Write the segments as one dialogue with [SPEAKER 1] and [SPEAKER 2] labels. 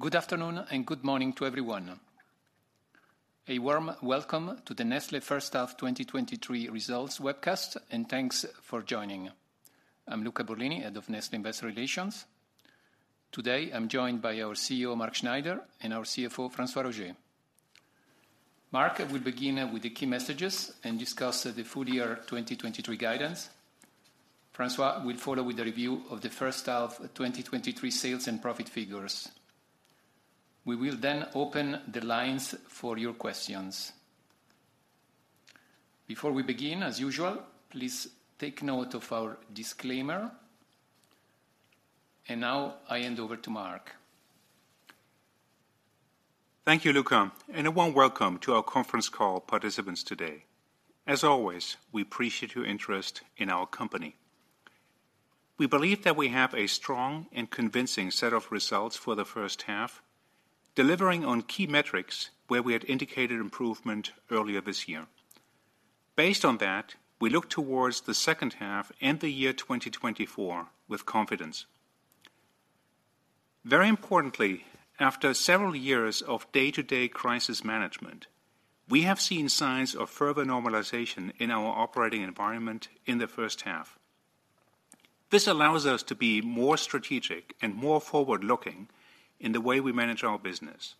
[SPEAKER 1] Good afternoon and good morning to everyone. A warm welcome to the Nestlé First Half 2023 Results Webcast, thanks for joining. I'm Luca Borlini, head of Nestlé Investor Relations. Today, I'm joined by our CEO, Mark Schneider, and our CFO, François-Xavier Roger. Mark will begin with the key messages and discuss the full year 2023 guidance. François will follow with a review of the first half of 2023 sales and profit figures. We will open the lines for your questions. Before we begin, as usual, please take note of our disclaimer. Now I hand over to Mark.
[SPEAKER 2] Thank you, Luca. A warm welcome to our conference call participants today. As always, we appreciate your interest in our company. We believe that we have a strong and convincing set of results for the first half, delivering on key metrics where we had indicated improvement earlier this year. Based on that, we look towards the second half and the year 2024 with confidence. Very importantly, after several years of day-to-day crisis management, we have seen signs of further normalization in our operating environment in the first half. This allows us to be more strategic and more forward-looking in the way we manage our business.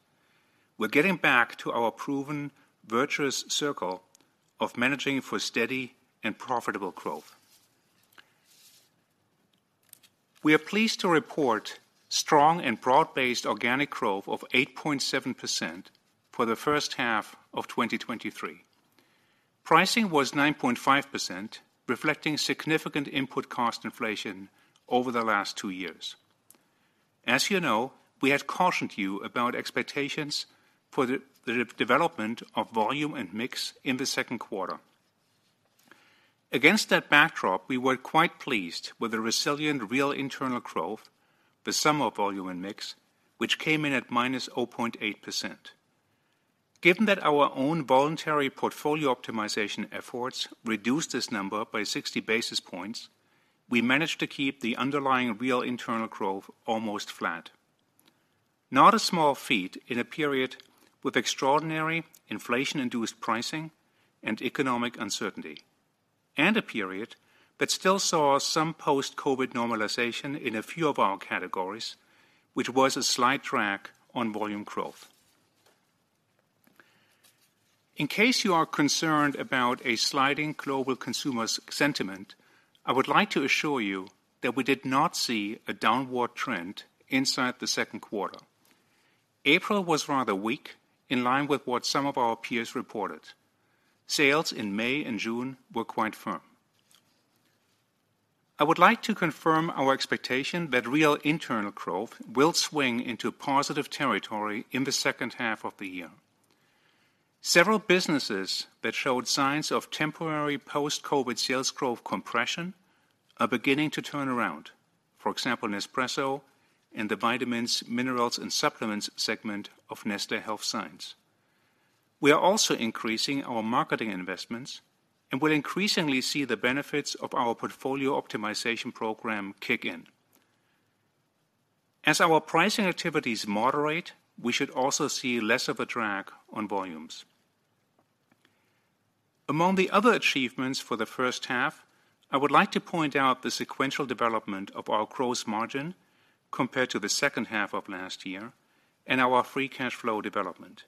[SPEAKER 2] We're getting back to our proven virtuous circle of managing for steady and profitable growth. We are pleased to report strong and broad-based organic growth of 8.7% for the first half of 2023. Pricing was 9.5%, reflecting significant input cost inflation over the last two years. As you know, we had cautioned you about expectations for the development of volume and mix in the second quarter. Against that backdrop, we were quite pleased with the resilient real internal growth, the sum of volume and mix, which came in at -0.8%. Given that our own voluntary portfolio optimization efforts reduced this number by 60 basis points, we managed to keep the underlying real internal growth almost flat. Not a small feat in a period with extraordinary inflation-induced pricing and economic uncertainty, and a period that still saw some post-COVID normalization in a few of our categories, which was a slight drag on volume growth. In case you are concerned about a sliding global consumer sentiment, I would like to assure you that we did not see a downward trend inside the second quarter. April was rather weak, in line with what some of our peers reported. Sales in May and June were quite firm. I would like to confirm our expectation that real internal growth will swing into positive territory in the second half of the year. Several businesses that showed signs of temporary post-COVID sales growth compression are beginning to turn around. For example, Nespresso and the vitamins, minerals, and supplements segment of Nestlé Health Science. We are also increasing our marketing investments and will increasingly see the benefits of our portfolio optimization program kick in. As our pricing activities moderate, we should also see less of a drag on volumes. Among the other achievements for the first half, I would like to point out the sequential development of our gross margin compared to the second half of last year and our free cash flow development.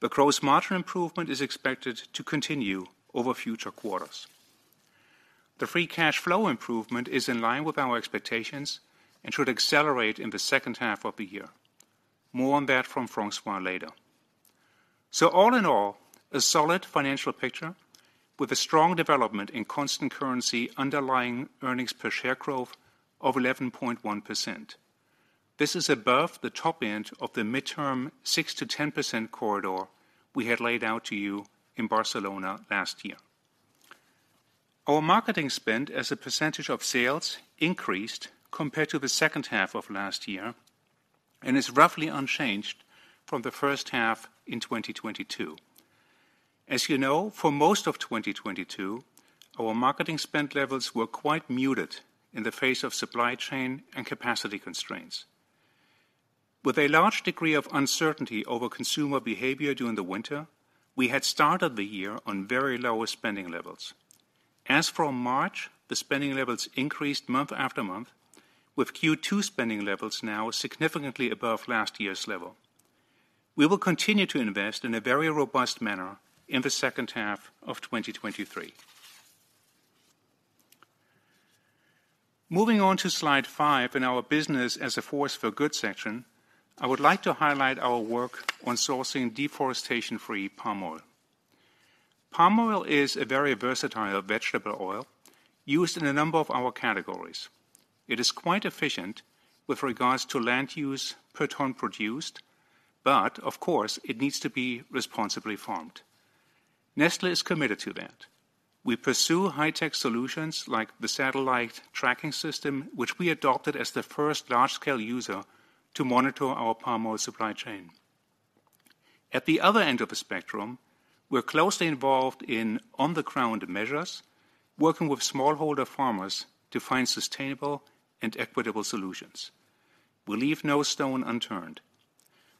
[SPEAKER 2] The gross margin improvement is expected to continue over future quarters. The free cash flow improvement is in line with our expectations and should accelerate in the second half of the year. More on that from François later. All in all, a solid financial picture with a strong development in constant currency, underlying earnings per share growth of 11.1%. This is above the top end of the midterm 6%-10% corridor we had laid out to you in Barcelona last year. Our marketing spend as a percentage of sales increased compared to the second half of last year and is roughly unchanged from the first half in 2022. As you know, for most of 2022, our marketing spend levels were quite muted in the face of supply chain and capacity constraints. With a large degree of uncertainty over consumer behavior during the winter, we had started the year on very low spending levels. As from March, the spending levels increased month after month, with Q2 spending levels now significantly above last year's level. We will continue to invest in a very robust manner in the second half of 2023. Moving on to slide five in our business as a force for good section, I would like to highlight our work on sourcing deforestation-free palm oil. Palm oil is a very versatile vegetable oil used in a number of our categories. It is quite efficient with regards to land use per ton produced, but of course, it needs to be responsibly farmed. Nestlé is committed to that. We pursue high-tech solutions like the satellite tracking system, which we adopted as the first large-scale user to monitor our palm oil supply chain. At the other end of the spectrum, we're closely involved in on-the-ground measures, working with smallholder farmers to find sustainable and equitable solutions. We leave no stone unturned.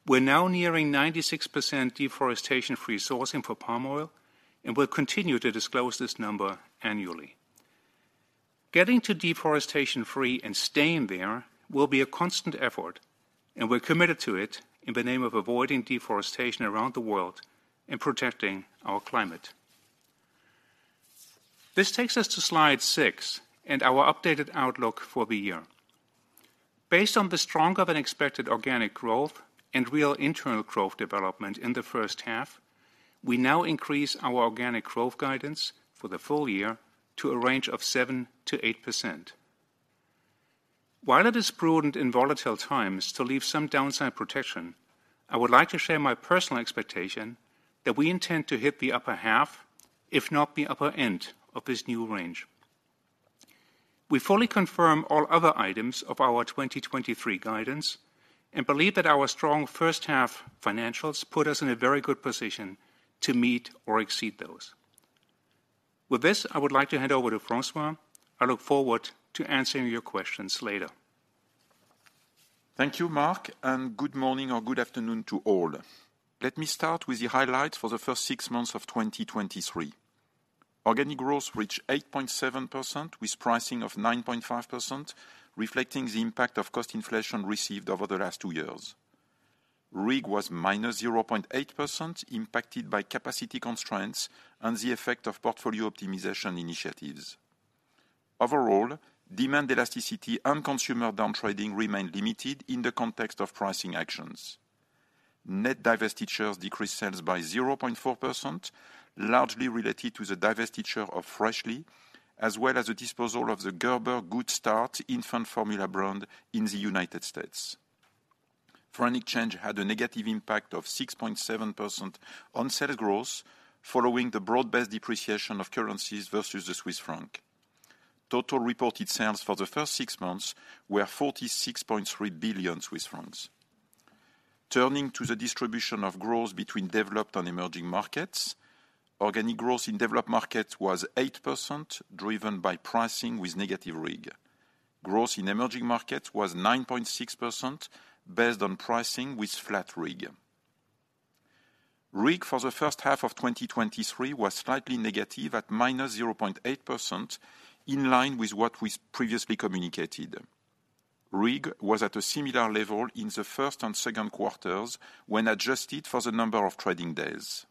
[SPEAKER 2] We're now nearing 96% deforestation-free sourcing for palm oil, and we'll continue to disclose this number annually. Getting to deforestation free and staying there will be a constant effort, and we're committed to it in the name of avoiding deforestation around the world and protecting our climate. This takes us to slide six and our updated outlook for the year. Based on the stronger-than-expected organic growth and real internal growth development in the first half, we now increase our organic growth guidance for the full year to a range of 7%-8%. While it is prudent in volatile times to leave some downside protection, I would like to share my personal expectation that we intend to hit the upper half, if not the upper end, of this new range. We fully confirm all other items of our 2023 guidance and believe that our strong first half financials put us in a very good position to meet or exceed those. With this, I would like to hand over to François. I look forward to answering your questions later.
[SPEAKER 3] Thank you, Mark. Good morning or good afternoon to all. Let me start with the highlights for the first six months of 2023. Organic growth reached 8.7%, with pricing of 9.5%, reflecting the impact of cost inflation received over the last two years. RIG was -0.8%, impacted by capacity constraints and the effect of portfolio optimization initiatives. Overall, demand elasticity and consumer downtrading remained limited in the context of pricing actions. Net divestitures decreased sales by 0.4%, largely related to the divestiture of Freshly, as well as the disposal of the Gerber Good Start infant formula brand in the United States. Foreign exchange had a negative impact of 6.7% on sales growth, following the broad-based depreciation of currencies versus the Swiss franc. Total reported sales for the first six months were 46.3 billion Swiss francs. Turning to the distribution of growth between developed and emerging markets, organic growth in developed markets was 8%, driven by pricing with negative RIG. Growth in emerging markets was 9.6%, based on pricing with flat RIG. RIG for the first half of 2023 was slightly negative at -0.8%, in line with what we previously communicated. RIG was at a similar level in the first and second quarters when adjusted for the number of trading days.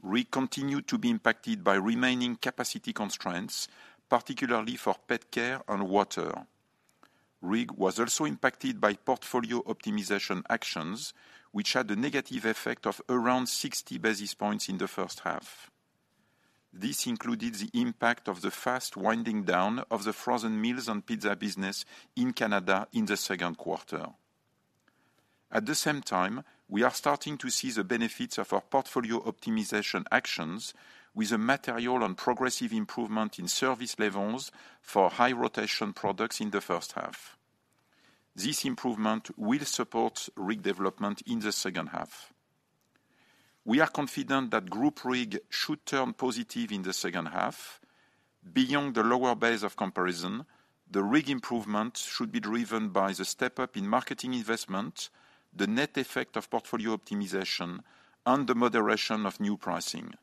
[SPEAKER 3] RIG continued to be impacted by remaining capacity constraints, particularly for pet care and water. RIG was also impacted by portfolio optimization actions, which had a negative effect of around 60 basis points in the first half. This included the impact of the fast winding down of the frozen meals and pizza business in Canada in the second quarter. At the same time, we are starting to see the benefits of our portfolio optimization actions, with a material and progressive improvement in service levels for high-rotation products in the first half. This improvement will support RIG development in the second half. We are confident that group RIG should turn positive in the second half. Beyond the lower base of comparison, the RIG improvement should be driven by the step-up in marketing investment, the net effect of portfolio optimization, and the moderation of new pricing.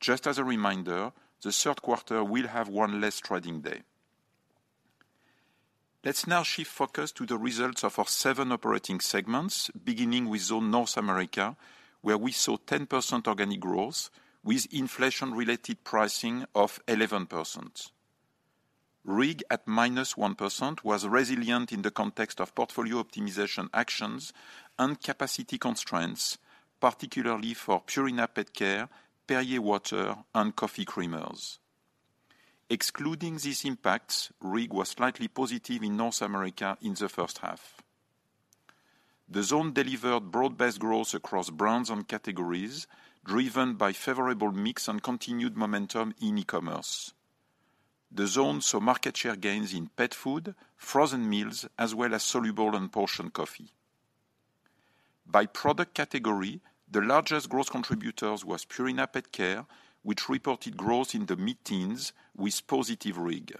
[SPEAKER 3] Just as a reminder, the third quarter will have one less trading day. Let's now shift focus to the results of our seven operating segments, beginning with the North America, where we saw 10% organic growth with inflation-related pricing of 11%. RIG, at -1%, was resilient in the context of portfolio optimization actions and capacity constraints, particularly for Purina PetCare, Perrier water, and coffee creamers. Excluding these impacts, RIG was slightly positive in North America in the first half. The zone delivered broad-based growth across brands and categories, driven by favorable mix and continued momentum in e-commerce. The zone saw market share gains in pet food, frozen meals, as well as soluble and portion coffee. By product category, the largest growth contributors was Purina PetCare, which reported growth in the mid-teens with positive RIG.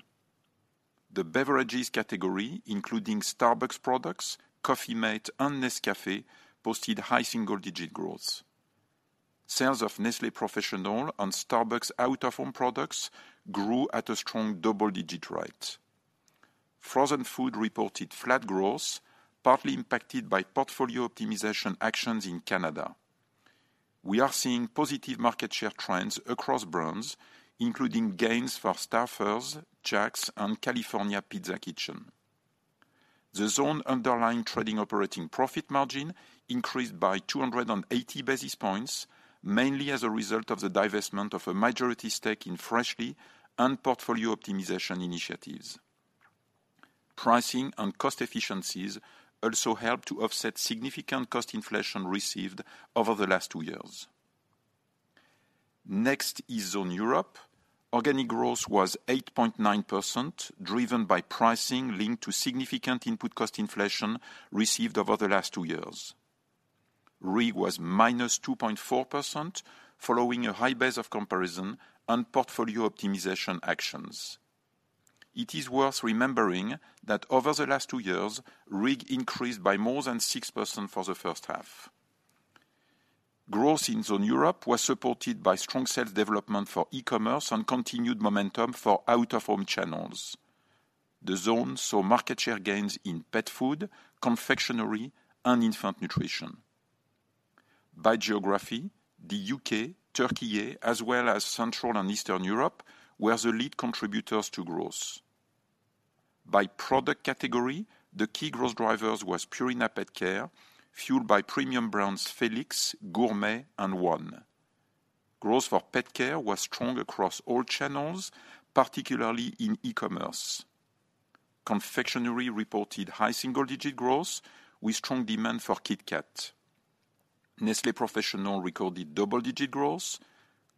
[SPEAKER 3] The beverages category, including Starbucks products, Coffee-mate, and Nescafé, posted high single-digit growth. Sales of Nestlé Professional and Starbucks out-of-home products grew at a strong double-digit rate. Frozen food reported flat growth, partly impacted by portfolio optimization actions in Canada. We are seeing positive market share trends across brands, including gains for Stouffer's, Jack's, and California Pizza Kitchen. The zone underlying trading operating profit margin increased by 280 basis points, mainly as a result of the divestment of a majority stake in Freshly and portfolio optimization initiatives. Pricing and cost efficiencies also helped to offset significant cost inflation received over the last two years. Next is Zone Europe. Organic growth was 8.9%, driven by pricing linked to significant input cost inflation received over the last two years. RIG was -2.4%, following a high base of comparison and portfolio optimization actions. It is worth remembering that over the last two years, RIG increased by more than 6% for the first half. Growth in Zone Europe was supported by strong sales development for e-commerce and continued momentum for out-of-home channels. The zone saw market share gains in pet food, confectionery, and infant nutrition. By geography, the U.K., Turkey, as well as Central and Eastern Europe, were the lead contributors to growth. By product category, the key growth drivers was Purina PetCare, fueled by premium brands Felix, Gourmet, and One. Growth for pet care was strong across all channels, particularly in e-commerce. Confectionery reported high single-digit growth, with strong demand for Kit Kat. Nestlé Professional recorded double-digit growth.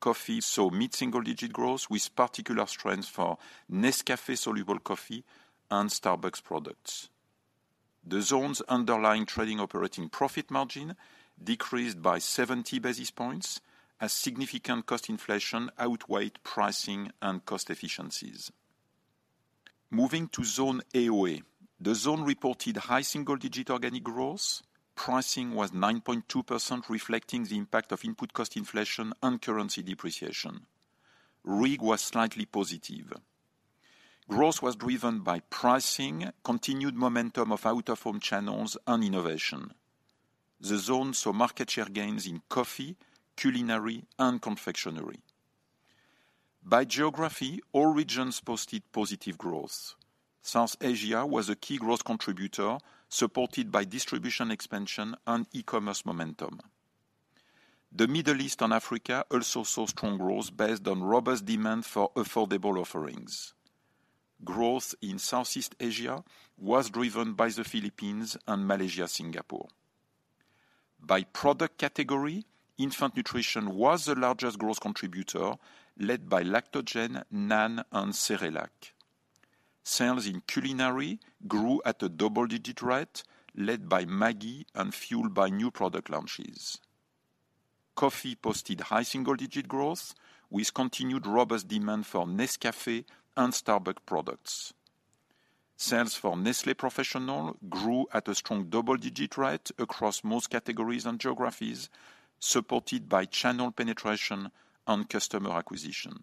[SPEAKER 3] Coffee saw mid-single digit growth, with particular strength for Nescafé soluble coffee and Starbucks products. The zone's underlying trading operating profit margin decreased by 70 basis points, as significant cost inflation outweighed pricing and cost efficiencies. Moving to Zone AOA, the zone reported high single-digit organic growth. Pricing was 9.2%, reflecting the impact of input cost inflation and currency depreciation. RIG was slightly positive. Growth was driven by pricing, continued momentum of out-of-home channels, and innovation. The zone saw market share gains in coffee, culinary, and confectionery. By geography, all regions posted positive growth. South Asia was a key growth contributor, supported by distribution expansion and e-commerce momentum. The Middle East and Africa also saw strong growth based on robust demand for affordable offerings. Growth in Southeast Asia was driven by the Philippines and Malaysia, Singapore. By product category, infant nutrition was the largest growth contributor, led by Lactogen, NAN, and Cerelac. Sales in culinary grew at a double-digit rate, led by Maggi and fueled by new product launches. Coffee posted high single-digit growth, with continued robust demand for Nescafé and Starbucks products. Sales for Nestlé Professional grew at a strong double-digit rate across most categories and geographies, supported by channel penetration and customer acquisition.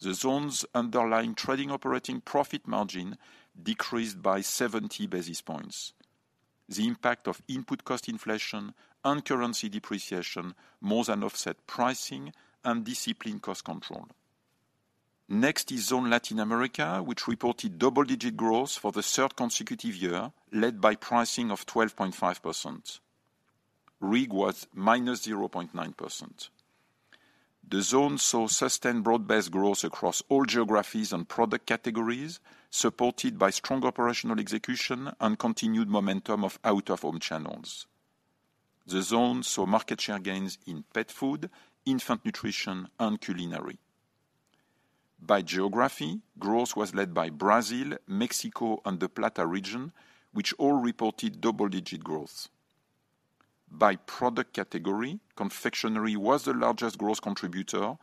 [SPEAKER 3] The zone's underlying trading operating profit margin decreased by 70 basis points. The impact of input cost inflation and currency depreciation more than offset pricing and disciplined cost control. Next is zone Latin America, which reported double-digit growth for the third consecutive year, led by pricing of 12.5%. RIG was -0.9%. The zone saw sustained broad-based growth across all geographies and product categories, supported by strong operational execution and continued momentum of out-of-home channels. The zone saw market share gains in pet food, infant nutrition, and culinary. By geography, growth was led by Brazil, Mexico, and the Plata Region, which all reported double-digit growth. By product category, confectionery was the largest growth contributor,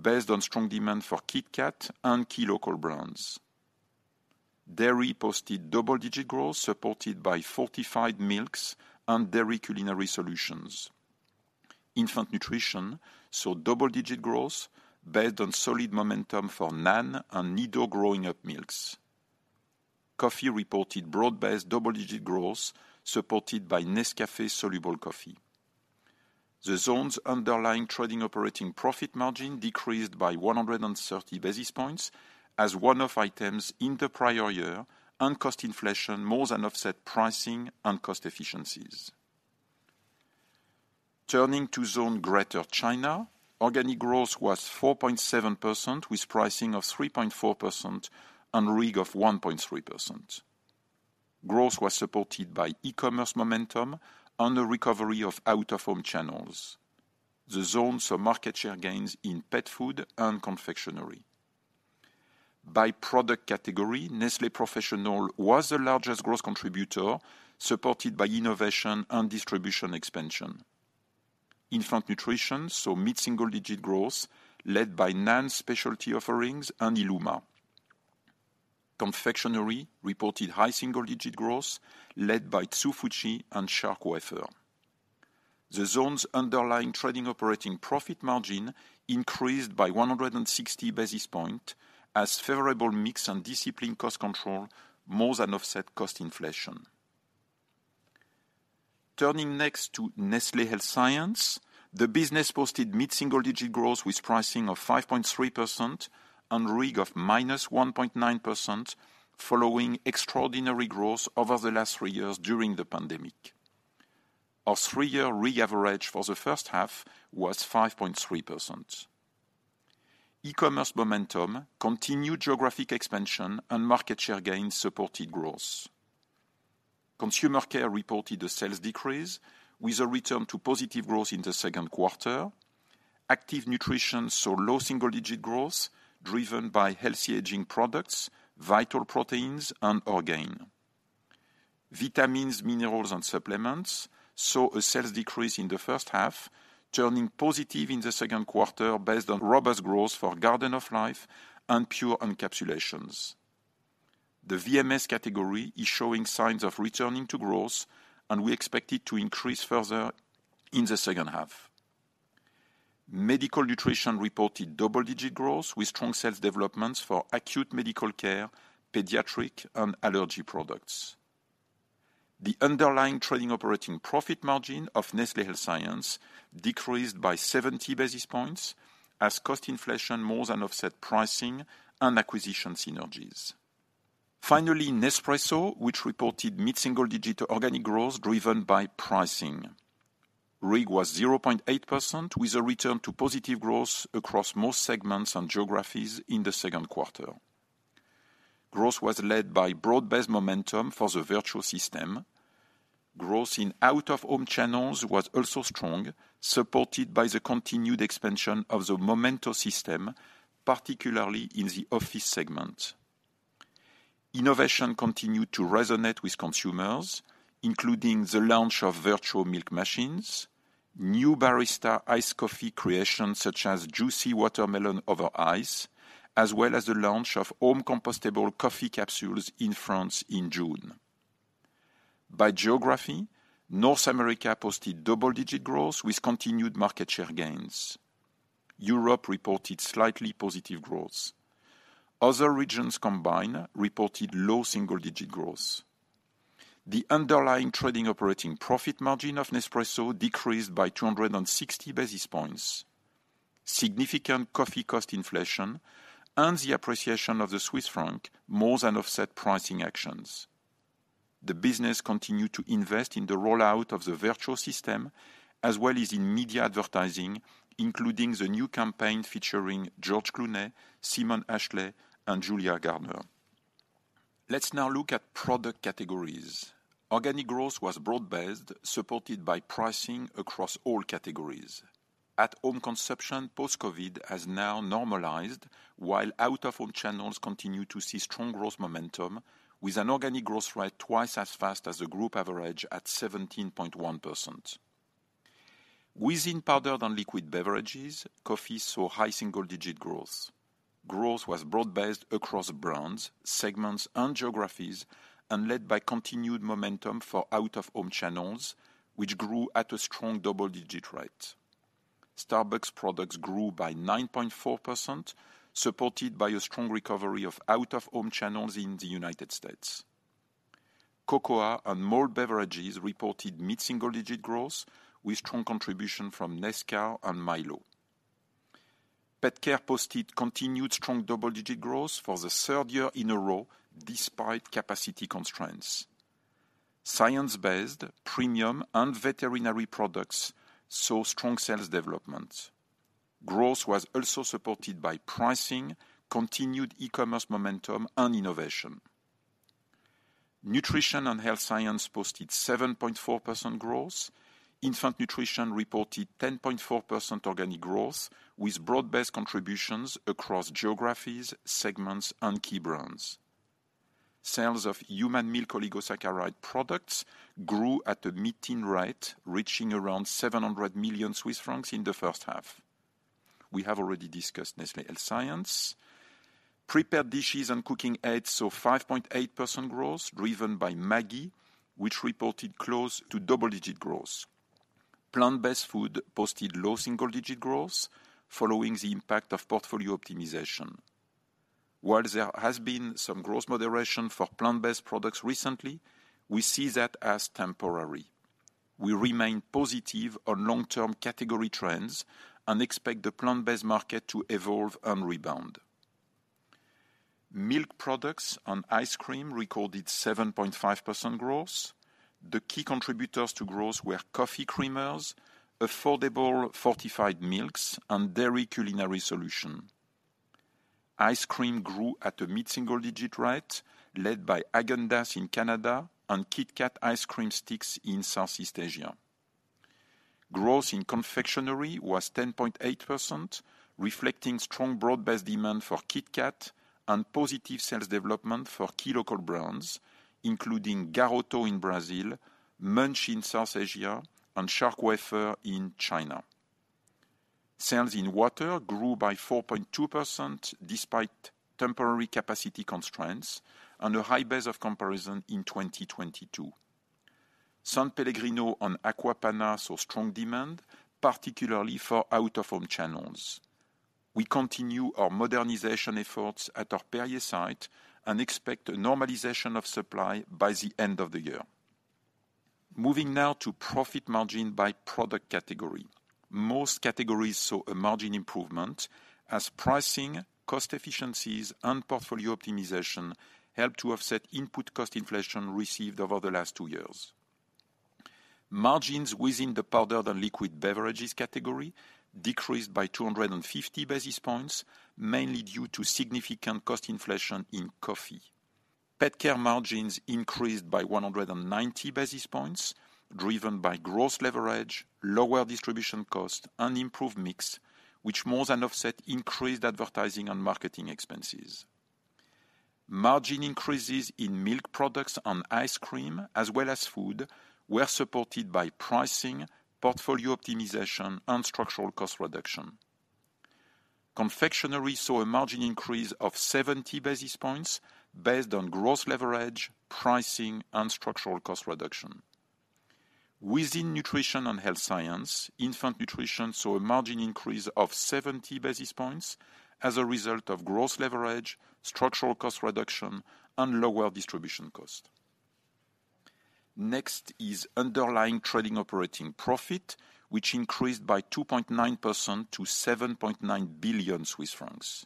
[SPEAKER 3] based on strong demand for Kit Kat and key local brands. Dairy posted double-digit growth, supported by fortified milks and dairy culinary solutions. Infant nutrition saw double-digit growth, based on solid momentum for NAN and Nido growing up milks. Coffee reported broad-based double-digit growth, supported by Nescafé soluble coffee. The zone's underlying trading operating profit margin decreased by 130 basis points, as one-off items in the prior year and cost inflation more than offset pricing and cost efficiencies. Turning to zone Greater China, organic growth was 4.7%, with pricing of 3.4% and RIG of 1.3%. Growth was supported by e-commerce momentum and the recovery of out-of-home channels. The zone saw market share gains in pet food and confectionery. By product category, Nestlé Professional was the largest growth contributor, supported by innovation and distribution expansion. Infant nutrition saw mid-single-digit growth, led by NAN specialty offerings and Illuma. Confectionery reported high-single-digit growth, led by Hsu Fu Chi and Shark Wafer. The zone's underlying trading operating profit margin increased by 160 basis point, as favorable mix and disciplined cost control more than offset cost inflation. Turning next to Nestlé Health Science, the business posted mid-single digit growth, with pricing of 5.3% and RIG of -1.9%, following extraordinary growth over the last three years during the pandemic. Our three-year re-average for the first half was 5.3%. E-commerce momentum, continued geographic expansion, and market share gains supported growth. Consumer care reported a sales decrease, with a return to positive growth in the second quarter. Active nutrition saw low single-digit growth, driven by healthy aging products, Vital Proteins, and Orgain. Vitamins, minerals, and supplements saw a sales decrease in the first half, turning positive in the second quarter based on robust growth for Garden of Life and Pure Encapsulations. The VMS category is showing signs of returning to growth, and we expect it to increase further in the second half. Medical nutrition reported double-digit growth, with strong sales developments for acute medical care, pediatric, and allergy products. The underlying trading operating profit margin of Nestlé Health Science decreased by 70 basis points, as cost inflation more than offset pricing and acquisition synergies. Finally, Nespresso, which reported mid-single-digit organic growth, driven by pricing. RIG was 0.8%, with a return to positive growth across most segments and geographies in the second quarter. Growth was led by broad-based momentum for the Vertuo system. Growth in out-of-home channels was also strong, supported by the continued expansion of the Momento system, particularly in the office segment. Innovation continued to resonate with consumers, including the launch of Vertuo milk machines, new barista iced coffee creations, such as Juicy Watermelon Over Ice, as well as the launch of home-compostable coffee capsules in France in June. By geography, North America posted double-digit growth with continued market share gains. Europe reported slightly positive growth. Other regions combined reported low single-digit growth. The underlying trading operating profit margin of Nespresso decreased by 260 basis points. Significant coffee cost inflation and the appreciation of the Swiss franc more than offset pricing actions. The business continued to invest in the rollout of the Vertuo system, as well as in media advertising, including the new campaign featuring George Clooney, Simone Ashley, and Julia Garner. Let's now look at product categories. Organic growth was broad-based, supported by pricing across all categories. At-home consumption, post-COVID has now normalized, while out-of-home channels continue to see strong growth momentum, with an organic growth rate twice as fast as the group average at 17.1%. Within powdered and liquid beverages, coffee saw high single-digit growth. Growth was broad-based across brands, segments, and geographies, and led by continued momentum for out-of-home channels, which grew at a strong double-digit rate. Starbucks products grew by 9.4%, supported by a strong recovery of out-of-home channels in the United States. Cocoa and malt beverages reported mid-single-digit growth, with strong contribution from Nescafé and Milo. Pet care posted continued strong double-digit growth for the third year in a row, despite capacity constraints. Science-based, premium, and veterinary products saw strong sales development. Growth was also supported by pricing, continued e-commerce momentum, and innovation. Nutrition and health science posted 7.4% growth. Infant nutrition reported 10.4% organic growth, with broad-based contributions across geographies, segments, and key brands. Sales of human milk oligosaccharide products grew at a mid-teen rate, reaching around 700 million Swiss francs in the first half. We have already discussed Nestlé Health Science. Prepared dishes and cooking aids saw 5.8% growth, driven by Maggi, which reported close to double-digit growth. Plant-based food posted low single-digit growth, following the impact of portfolio optimization. While there has been some growth moderation for plant-based products recently, we see that as temporary. We remain positive on long-term category trends and expect the plant-based market to evolve and rebound. Milk products and ice cream recorded 7.5% growth. The key contributors to growth were coffee creamers, affordable fortified milks, and dairy culinary solution. Ice cream grew at a mid-single-digit rate, led by Häagen-Dazs in Canada and Kit Kat ice cream sticks in Southeast Asia. Growth in confectionery was 10.8%, reflecting strong broad-based demand for Kit Kat and positive sales development for key local brands, including Garoto in Brazil, Munch in South Asia, and Shark Wafer in China. Sales in water grew by 4.2%, despite temporary capacity constraints and a high base of comparison in 2022. S.Pellegrino and Acqua Panna saw strong demand, particularly for out-of-home channels. We continue our modernization efforts at our Perrier site and expect a normalization of supply by the end of the year. Moving now to profit margin by product category. Most categories saw a margin improvement as pricing, cost efficiencies, and portfolio optimization helped to offset input cost inflation received over the last two years. margins within the powder and liquid beverages category decreased by 250 basis points, mainly due to significant cost inflation in coffee. Pet care margins increased by 190 basis points, driven by gross leverage, lower distribution costs, and improved mix, which more than offset increased advertising and marketing expenses. Margin increases in milk products and ice cream, as well as food, were supported by pricing, portfolio optimization, and structural cost reduction. Confectionery saw a margin increase of 70 basis points, based on gross leverage, pricing, and structural cost reduction. Within nutrition and health science, infant nutrition saw a margin increase of 70 basis points as a result of gross leverage, structural cost reduction, and lower distribution costs. Next is underlying trading operating profit, which increased by 2.9% to 7.9 billion Swiss francs.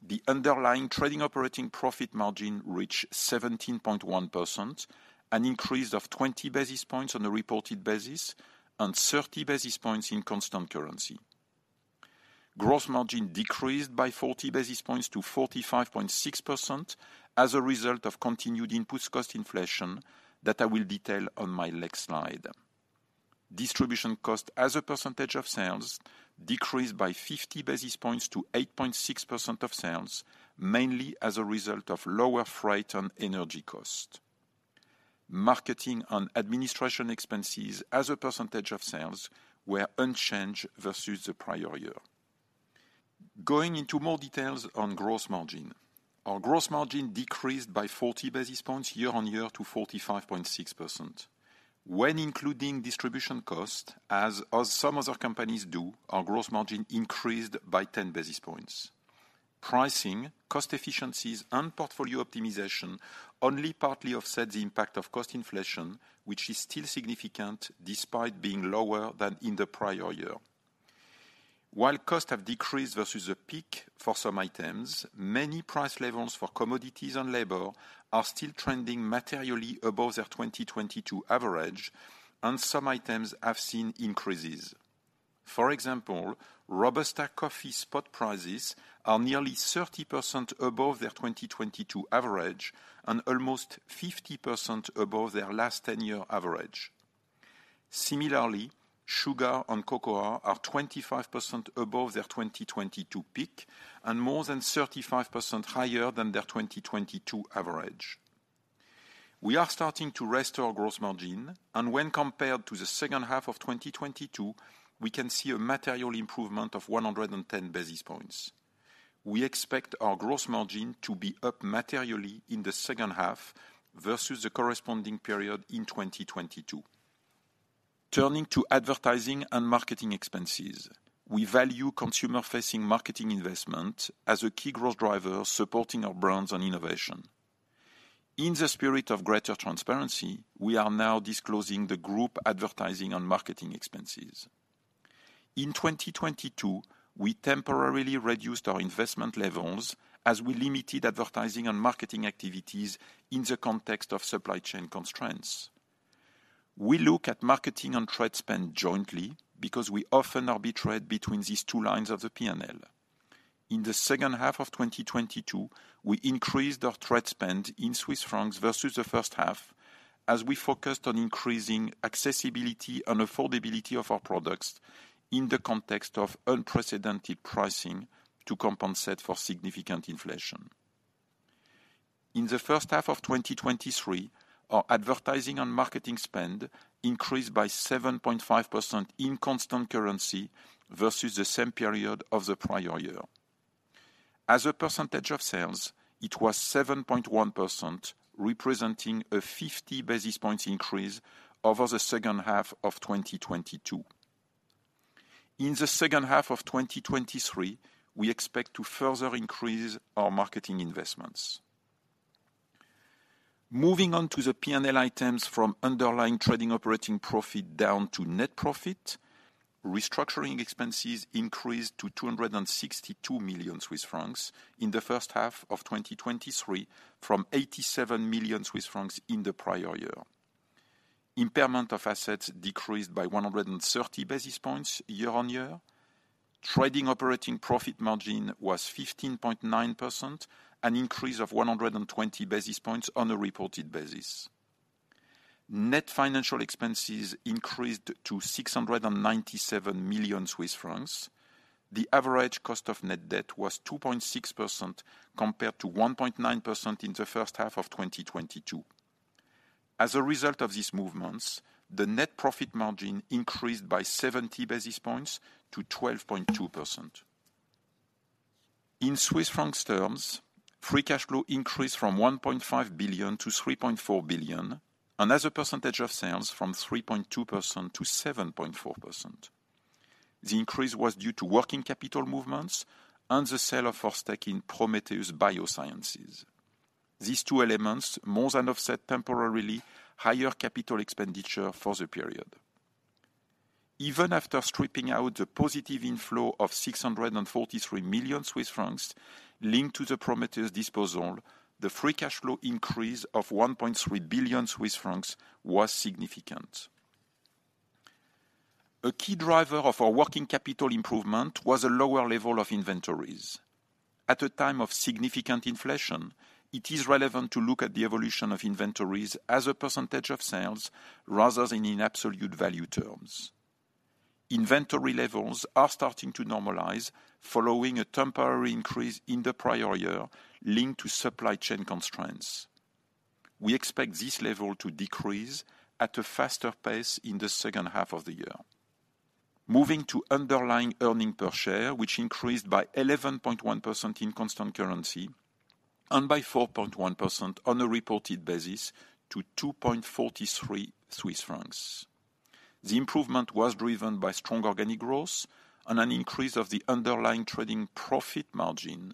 [SPEAKER 3] The underlying trading operating profit margin reached 17.1%, an increase of 20 basis points on a reported basis and 30 basis points in constant currency. Gross margin decreased by 40 basis points to 45.6% as a result of continued input cost inflation that I will detail on my next slide. Distribution cost as a percentage of sales decreased by 50 basis points to 8.6% of sales, mainly as a result of lower freight and energy costs. Marketing and administration expenses as a percentage of sales were unchanged versus the prior year. Going into more details on gross margin. Our gross margin decreased by 40 basis points year-on-year to 45.6%. When including distribution costs, as some other companies do, our gross margin increased by 10 basis points. Pricing, cost efficiencies, and portfolio optimization only partly offset the impact of cost inflation, which is still significant despite being lower than in the prior year. While costs have decreased versus a peak for some items, many price levels for commodities and labor are still trending materially above their 2022 average, and some items have seen increases. For example, Robusta coffee spot prices are nearly 30% above their 2022 average and almost 50% above their last 10-year average. Similarly, sugar and cocoa are 25% above their 2022 peak and more than 35% higher than their 2022 average. We are starting to restore gross margin, and when compared to the second half of 2022, we can see a material improvement of 110 basis points. We expect our gross margin to be up materially in the second half versus the corresponding period in 2022. Turning to advertising and marketing expenses. We value consumer-facing marketing investment as a key growth driver, supporting our brands and innovation. In the spirit of greater transparency, we are now disclosing the group advertising and marketing expenses. In 2022, we temporarily reduced our investment levels as we limited advertising and marketing activities in the context of supply chain constraints. We look at marketing and trade spend jointly because we often arbitrate between these two lines of the P&L. In the second half of 2022, we increased our trade spend in Swiss francs versus the first half, as we focused on increasing accessibility and affordability of our products in the context of unprecedented pricing to compensate for significant inflation. In the first half of 2023, our advertising and marketing spend increased by 7.5% in constant currency versus the same period of the prior year. As a percentage of sales, it was 7.1%, representing a 50 basis points increase over the second half of 2022. In the second half of 2023, we expect to further increase our marketing investments. Moving on to the P&L items from underlying trading operating profit down to net profit, restructuring expenses increased to 262 million Swiss francs in the first half of 2023, from 87 million Swiss francs in the prior year. Impairment of assets decreased by 130 basis points year-on-year. Trading operating profit margin was 15.9%, an increase of 120 basis points on a reported basis. Net financial expenses increased to 697 million Swiss francs. The average cost of net debt was 2.6%, compared to 1.9% in the first half of 2022. As a result of these movements, the net profit margin increased by 70 basis points to 12.2%. In Swiss franc terms, free cash flow increased from 1.5 billion to 3.4 billion, and as a percentage of sales from 3.2% to 7.4%. The increase was due to working capital movements and the sale of our stake in Prometheus Biosciences. These two elements more than offset temporarily higher capital expenditure for the period. Even after stripping out the positive inflow of 643 million Swiss francs, linked to the Prometheus disposal, the free cash flow increase of 1.3 billion Swiss francs was significant. A key driver of our working capital improvement was a lower level of inventories. At a time of significant inflation, it is relevant to look at the evolution of inventories as a percentage of sales, rather than in absolute value terms. Inventory levels are starting to normalize, following a temporary increase in the prior year, linked to supply chain constraints. We expect this level to decrease at a faster pace in the second half of the year. Moving to underlying earning per share, which increased by 11.1% in constant currency, and by 4.1% on a reported basis to 2.43 Swiss francs. The improvement was driven by strong organic growth and an increase of the underlying trading profit margin.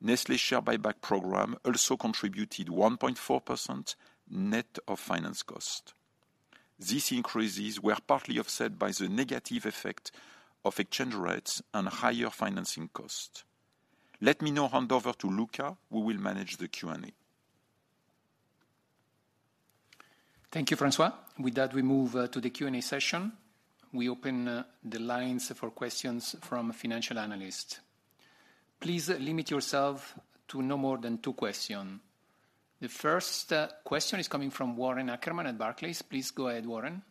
[SPEAKER 3] Nestlé share buyback program also contributed 1.4% net of finance cost. These increases were partly offset by the negative effect of exchange rates and higher financing costs. Let me now hand over to Luca, who will manage the Q&A.
[SPEAKER 1] Thank you, François. With that, we move to the Q&A session. We open the lines for questions from financial analysts. Please limit yourself to no more than two question. The first question is coming from Warren Ackerman at Barclays. Please go ahead, Warren.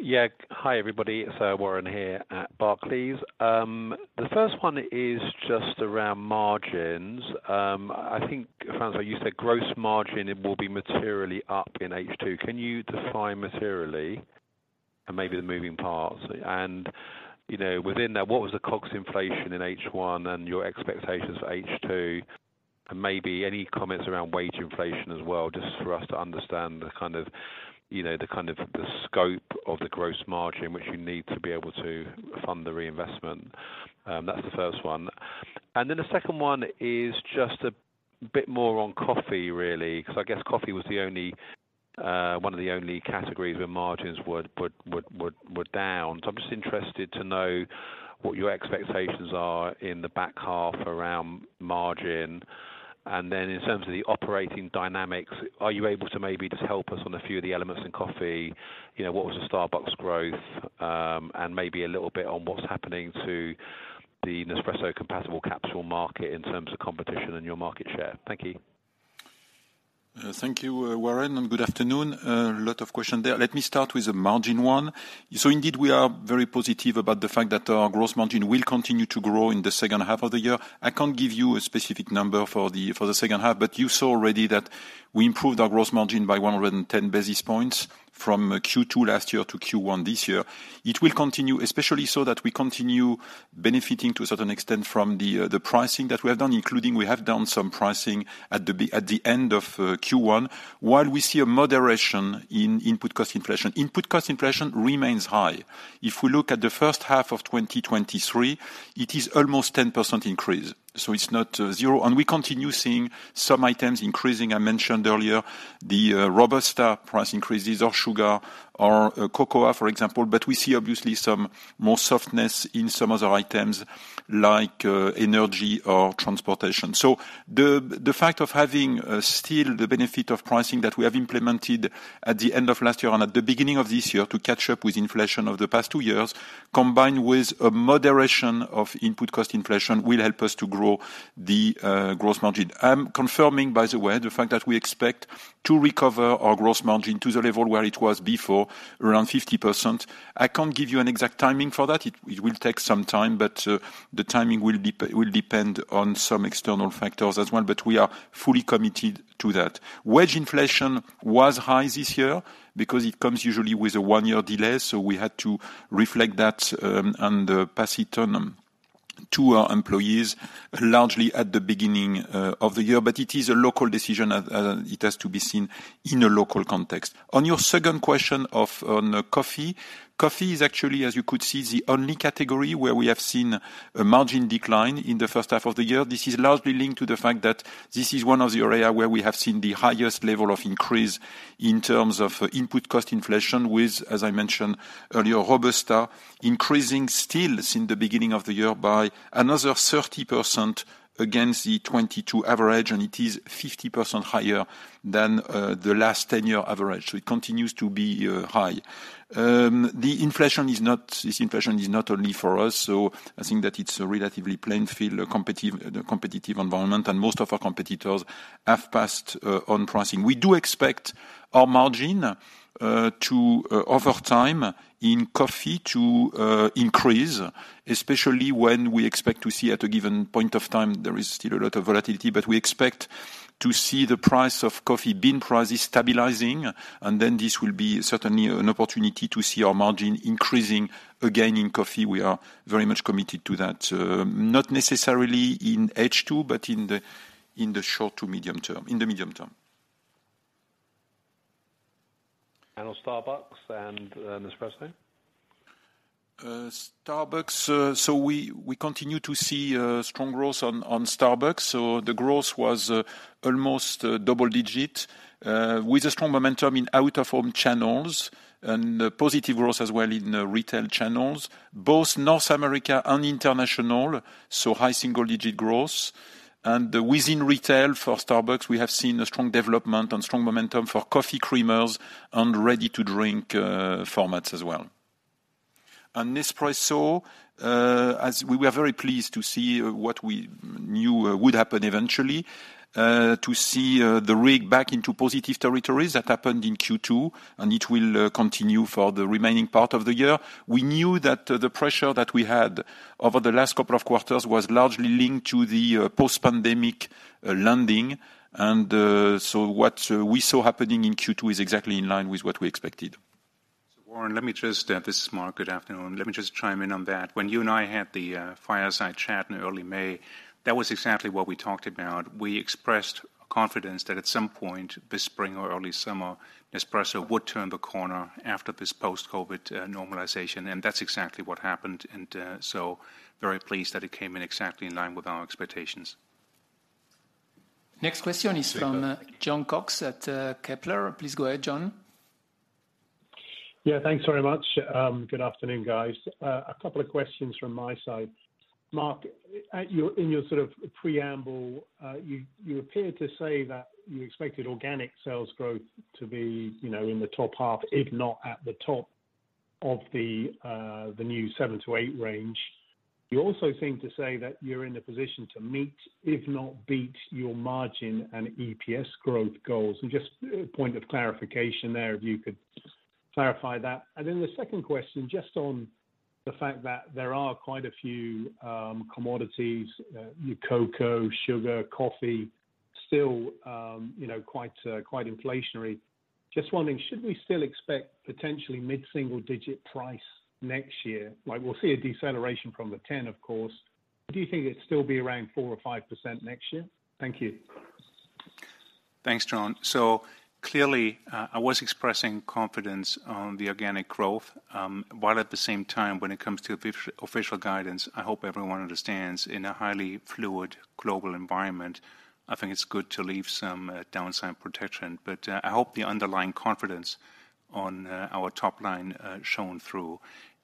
[SPEAKER 4] Yeah. Hi, everybody, it's Warren here at Barclays. The first one is just around margins. I think, François, you said gross margin, it will be materially up in H2. Can you define materially, and maybe the moving parts? You know, within that, what was the COGS inflation in H1 and your expectations for H2? Maybe any comments around wage inflation as well, just for us to understand the kind of, you know, the scope of the gross margin, which you need to be able to fund the reinvestment. That's the first one. The second one is just a bit more on coffee, really, because I guess coffee was the only, one of the only categories where margins were down. I'm just interested to know what your expectations are in the back half around margin. In terms of the operating dynamics, are you able to maybe just help us on a few of the elements in coffee? You know, what was the Starbucks growth? Maybe a little bit on what's happening to the Nespresso compatible capsule market in terms of competition and your market share. Thank you.
[SPEAKER 3] Thank you, Warren, and good afternoon. A lot of question there. Let me start with the margin one. Indeed, we are very positive about the fact that our gross margin will continue to grow in the second half of the year. I can't give you a specific number for the second half, but you saw already that we improved our gross margin by 110 basis points from Q2 last year to Q1 this year. It will continue, especially so that we continue benefiting to a certain extent from the pricing that we have done, including we have done some pricing at the end of Q1. While we see a moderation in input cost inflation, input cost inflation remains high. If we look at the first half of 2023, it is almost 10% increase, so it's not zero. We continue seeing some items increasing. I mentioned earlier, the Robusta price increases or sugar or cocoa, for example, but we see obviously some more softness in some other items like energy or transportation. The fact of having still the benefit of pricing that we have implemented at the end of last year and at the beginning of this year, to catch up with inflation over the past two years, combined with a moderation of input cost inflation, will help us to grow the gross margin. I'm confirming, by the way, the fact that we expect to recover our gross margin to the level where it was before, around 50%. I can't give you an exact timing for that. It will take some time, the timing will depend on some external factors as well, we are fully committed to that. Wage inflation was high this year because it comes usually with a one-year delay, we had to reflect that and pass it on to our employees, largely at the beginning of the year. It is a local decision, it has to be seen in a local context. On your second question on coffee. Coffee is actually, as you could see, the only category where we have seen a margin decline in the first half of the year. This is largely linked to the fact that this is one of the area where we have seen the highest level of increase in terms of input cost inflation with, as I mentioned earlier, Robusta increasing still since the beginning of the year by another 30% against the 2022 average, and it is 50% higher than the last 10-year average. It continues to be high. This inflation is not only for us, so I think that it's a relatively plain field, a competitive environment, and most of our competitors have passed on pricing. We do expect our margin to over time in coffee to increase, especially when we expect to see at a given point of time, there is still a lot of volatility. We expect to see the price of coffee bean prices stabilizing, and then this will be certainly an opportunity to see our margin increasing again in coffee. We are very much committed to that, not necessarily in H2, but in the short to medium term, in the medium term.
[SPEAKER 1] On Starbucks and Nespresso?
[SPEAKER 3] Starbucks, we continue to see strong growth on Starbucks. The growth was almost double-digit with a strong momentum in out-of-home channels, and positive growth as well in retail channels. Both North America and international saw high single-digit growth. Within retail for Starbucks, we have seen a strong development and strong momentum for coffee creamers and ready-to-drink formats as well. On Nespresso, as we were very pleased to see what we knew would happen eventually, to see the RIG back into positive territories. That happened in Q2, it will continue for the remaining part of the year. We knew that the pressure that we had over the last couple of quarters was largely linked to the post-pandemic landing. What we saw happening in Q2 is exactly in line with what we expected.
[SPEAKER 2] Warren, let me just, this is Mark. Good afternoon. Let me just chime in on that. When you and I had the fireside chat in early May, that was exactly what we talked about. We expressed confidence that at some point this spring or early summer, Nespresso would turn the corner after this post-COVID normalization, and that's exactly what happened. Very pleased that it came in exactly in line with our expectations.
[SPEAKER 3] Next question is from Jon Cox at Kepler. Please go ahead, Jon.
[SPEAKER 5] Yeah, thanks very much. Good afternoon, guys. A couple of questions from my side. Mark, in your sort of preamble, you appeared to say that you expected organic sales growth to be, you know, in the top half, if not at the top of the new seven to eight range. You also seem to say that you're in a position to meet, if not beat, your margin and EPS growth goals. Just a point of clarification there, if you could clarify that. The second question, just on the fact that there are quite a few commodities, your cocoa, sugar, coffee, still, you know, quite inflationary. Just wondering, should we still expect potentially mid-single digit price next year? Like, we'll see a deceleration from the 10, of course. Do you think it'd still be around 4% or 5% next year? Thank you.
[SPEAKER 2] Thanks, Jon. Clearly, I was expressing confidence on the organic growth, while at the same time, when it comes to official guidance, I hope everyone understands, in a highly fluid global environment, I think it's good to leave some downside protection. I hope the underlying confidence on our top line shown through.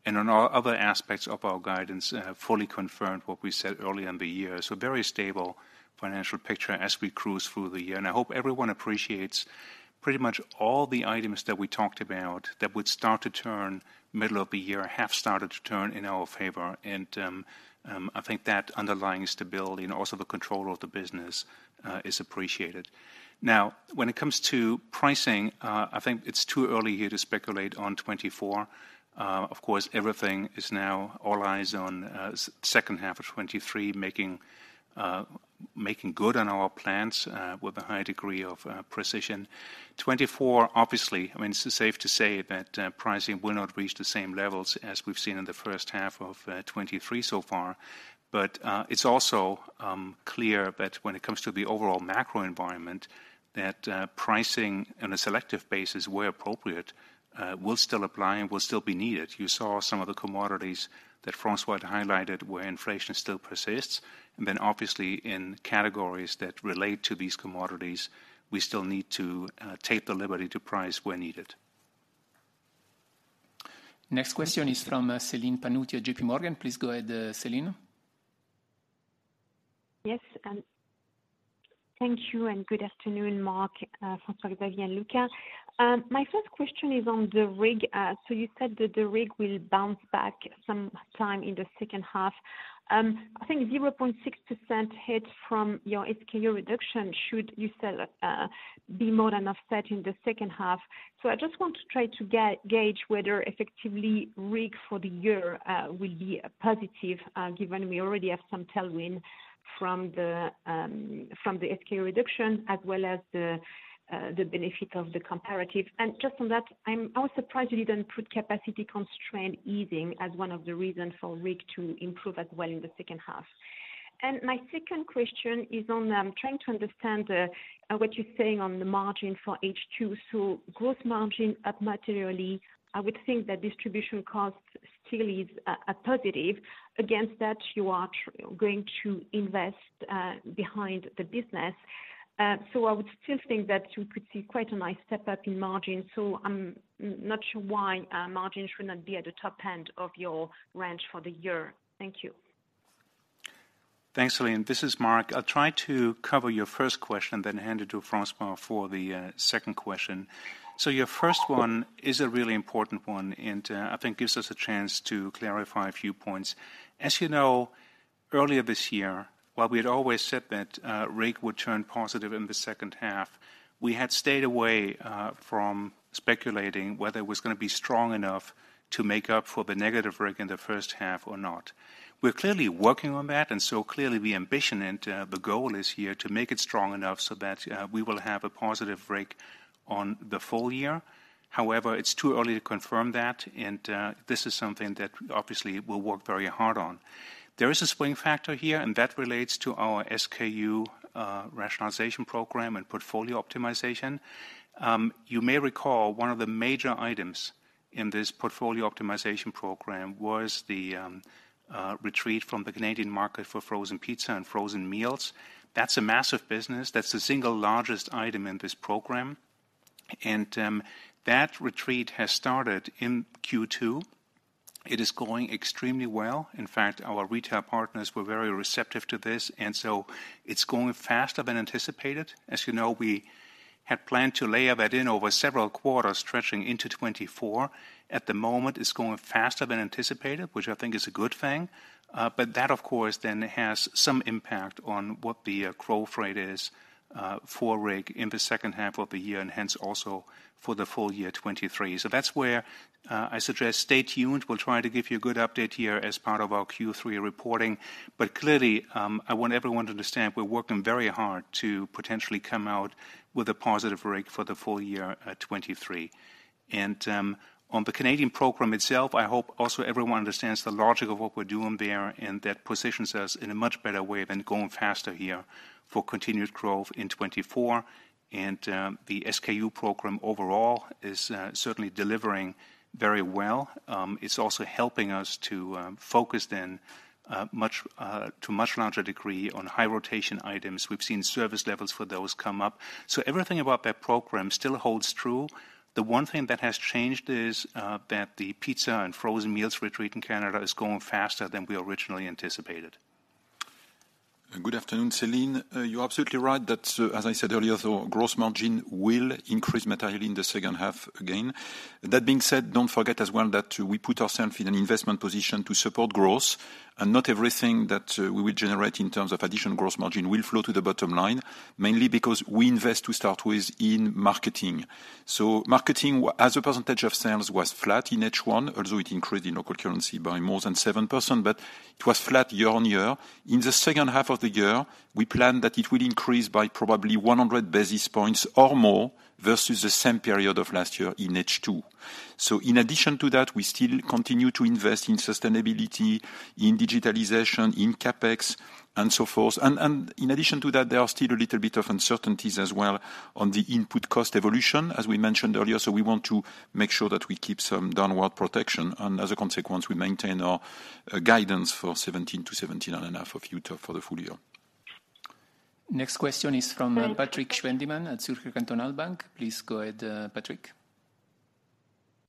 [SPEAKER 2] On all other aspects of our guidance, fully confirmed what we said earlier in the year. Very stable financial picture as we cruise through the year. I hope everyone appreciates pretty much all the items that we talked about that would start to turn middle of the year, have started to turn in our favor. I think that underlying stability and also the control of the business is appreciated. When it comes to pricing, I think it's too early here to speculate on 2024. Of course, everything is now all eyes on second half of 2023, making good on our plans with a high degree of precision. 2024, obviously, I mean, it's safe to say that pricing will not reach the same levels as we've seen in the first half of 2023 so far. It's also clear that when it come to the overall macro environment, that pricing on a selective basis, where appropriate, will still apply and will still be needed. You saw some of the commodities that François highlighted where inflation still persists. Then obviously in categories that relate to these commodities, we still need to take the liberty to price where needed.
[SPEAKER 1] Next question is from Celine Pannuti at J.P. Morgan. Please go ahead, Celine.
[SPEAKER 6] Yes, thank you, good afternoon, Mark, François-Xavier, and Luca. My first question is on the RIG. You said that the RIG will bounce back some time in the second half. I think 0.6% hit from your SKU reduction should be more than offset in the second half. I just want to try to gauge whether effectively, RIG for the year will be a positive, given we already have some tailwind from the SKU reduction, as well as the benefit of the comparative. Just on that, I'm also surprised you didn't put capacity constraint easing as one of the reasons for RIG to improve as well in the second half. My second question is on trying to understand what you're saying on the margin for H2. Gross margin up materially, I would think that distribution cost still is a positive. Against that, you are going to invest behind the business. I would still think that you could see quite a nice step up in margin, so I'm not sure why margin should not be at the top end of your range for the year. Thank you.
[SPEAKER 2] Thanks, Celine. This is Mark. I'll try to cover your first question, then hand it to François for the second question. Your first one is a really important one, and I think gives us a chance to clarify a few points. As you know, earlier this year, while we had always said that RIG would turn positive in the second half, we had stayed away from speculating whether it was gonna be strong enough to make up for the negative RIG in the first half or not. We're clearly working on that, and so clearly the ambition and the goal is here to make it strong enough so that we will have a positive RIG on the full year. However, it's too early to confirm that, and this is something that obviously we'll work very hard on. There is a swing factor here, and that relates to our SKU rationalization program and portfolio optimization. You may recall, one of the major items in this portfolio optimization program was the retreat from the Canadian market for frozen pizza and frozen meals. That's a massive business. That's the single largest item in this program. That retreat has started in Q2. It is going extremely well. In fact, our retail partners were very receptive to this, and so it's going faster than anticipated. As you know, we had planned to layer that in over several quarters, stretching into 2024. At the moment, it's going faster than anticipated, which I think is a good thing. That of course, then has some impact on what the growth rate is for RIG in the second half of the year, and hence also for the full year 2023. That's where I suggest, stay tuned. We'll try to give you a good update here as part of our Q3 reporting. Clearly, I want everyone to understand we're working very hard to potentially come out with a positive RIG for the full year, 2023. On the Canadian program itself, I hope also everyone understands the logic of what we're doing there, and that positions us in a much better way than going faster here for continued growth in 2024. The SKU program overall is certainly delivering very well. It's also helping us to focus then much to a much larger degree on high rotation items. We've seen service levels for those come up. Everything about that program still holds true. The one thing that has changed is that the pizza and frozen meals retreat in Canada is going faster than we originally anticipated.
[SPEAKER 3] Good afternoon, Celine. You're absolutely right, that, as I said earlier, the gross margin will increase materially in the second half again. That being said, don't forget as well, that we put ourself in an investment position to support growth, and not everything that we will generate in terms of additional gross margin will flow to the bottom line, mainly because we invest, to start with, in marketing. Marketing, as a percentage of sales, was flat in H1, although it increased in local currency by more than 7%, but it was flat year-on-year. In the second half of the year, we plan that it will increase by probably 100 basis points or more, versus the same period of last year in H2. In addition to that, we still continue to invest in sustainability, in digitalization, in CapEx, and so forth. In addition to that, there are still a little bit of uncertainties as well on the input cost evolution, as we mentioned earlier. We want to make sure that we keep some downward protection, and as a consequence, we maintain our guidance for 17 to 17.5 of UTOP for the full year.
[SPEAKER 1] Next question is from Patrik Schwendimann at Zürcher Kantonalbank. Please go ahead, Patrik.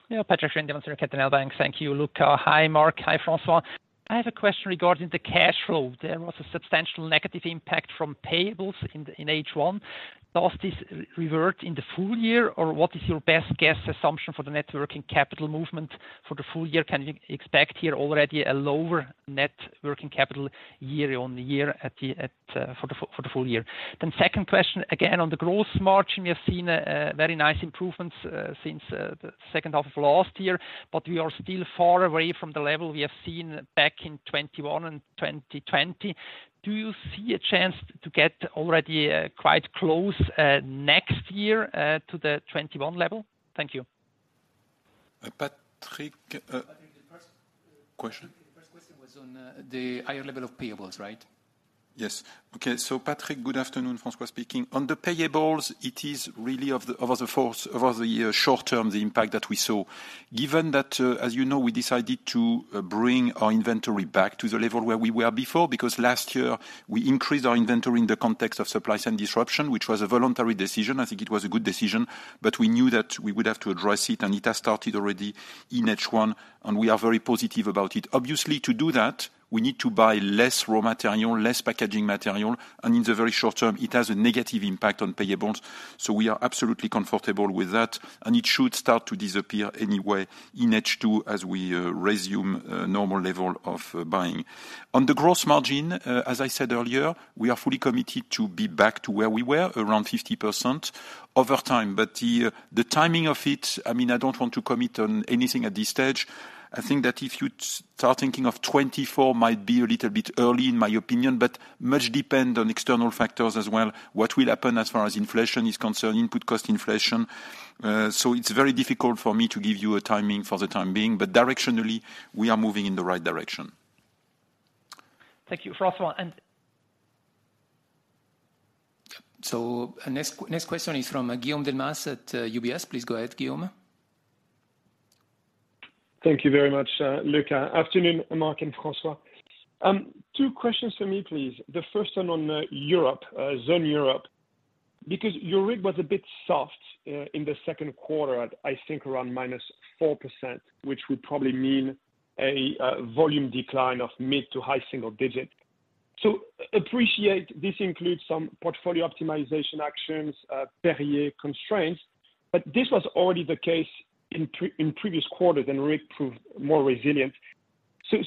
[SPEAKER 7] Yeah, Patrik Schwendimann, Zürcher Kantonalbank. Thank you, Luca. Hi, Mark. Hi, François. I have a question regarding the cash flow. There was a substantial negative impact from payables in H1. Does this revert in the full year, or what is your best guess assumption for the net working capital movement for the full year? Can you expect here already a lower net working capital year-on-year for the full year? Second question, again, on the gross margin. We have seen very nice improvements since the second half of last year, we are still far away from the level we have seen back in 2021 and 2020. Do you see a chance to get already quite close next year to the 2021 level? Thank you.
[SPEAKER 3] Patrik.
[SPEAKER 1] Patrik, the first.
[SPEAKER 3] Question?
[SPEAKER 1] The first question was on the higher level of payables, right?
[SPEAKER 3] Yes. Okay, Patrik, good afternoon, François speaking. On the payables, it is really over the year short term, the impact that we saw. Given that, as you know, we decided to bring our inventory back to the level where we were before, because last year we increased our inventory in the context of supplies and disruption, which was a voluntary decision. I think it was a good decision, we knew that we would have to address it, it has started already in H1, we are very positive about it. Obviously, to do that, we need to buy less raw material, less packaging material, in the very short term, it has a negative impact on payables. We are absolutely comfortable with that, and it should start to disappear anyway in H2 as we resume normal level of buying. On the gross margin, as I said earlier, we are fully committed to be back to where we were, around 50% over time. The timing of it, I mean, I don't want to commit on anything at this stage. I think that if you start thinking of 2024, might be a little bit early in my opinion, but much depend on external factors as well, what will happen as far as inflation is concerned, input cost inflation. It's very difficult for me to give you a timing for the time being, but directionally, we are moving in the right direction.
[SPEAKER 7] Thank you, François.
[SPEAKER 1] Our next question is from Guillaume Debbaut at UBS. Please go ahead, Guillaume.
[SPEAKER 8] Thank you very much, Luca. Afternoon, Mark and François. Two questions for me, please. The first one on Europe, Zone Europe, because your RIG was a bit soft in the second quarter, at I think around -4%, which would probably mean a volume decline of mid to high single-digit. Appreciate this includes some portfolio optimization actions, Perrier constraints, but this was already the case in previous quarters, and RIG proved more resilient.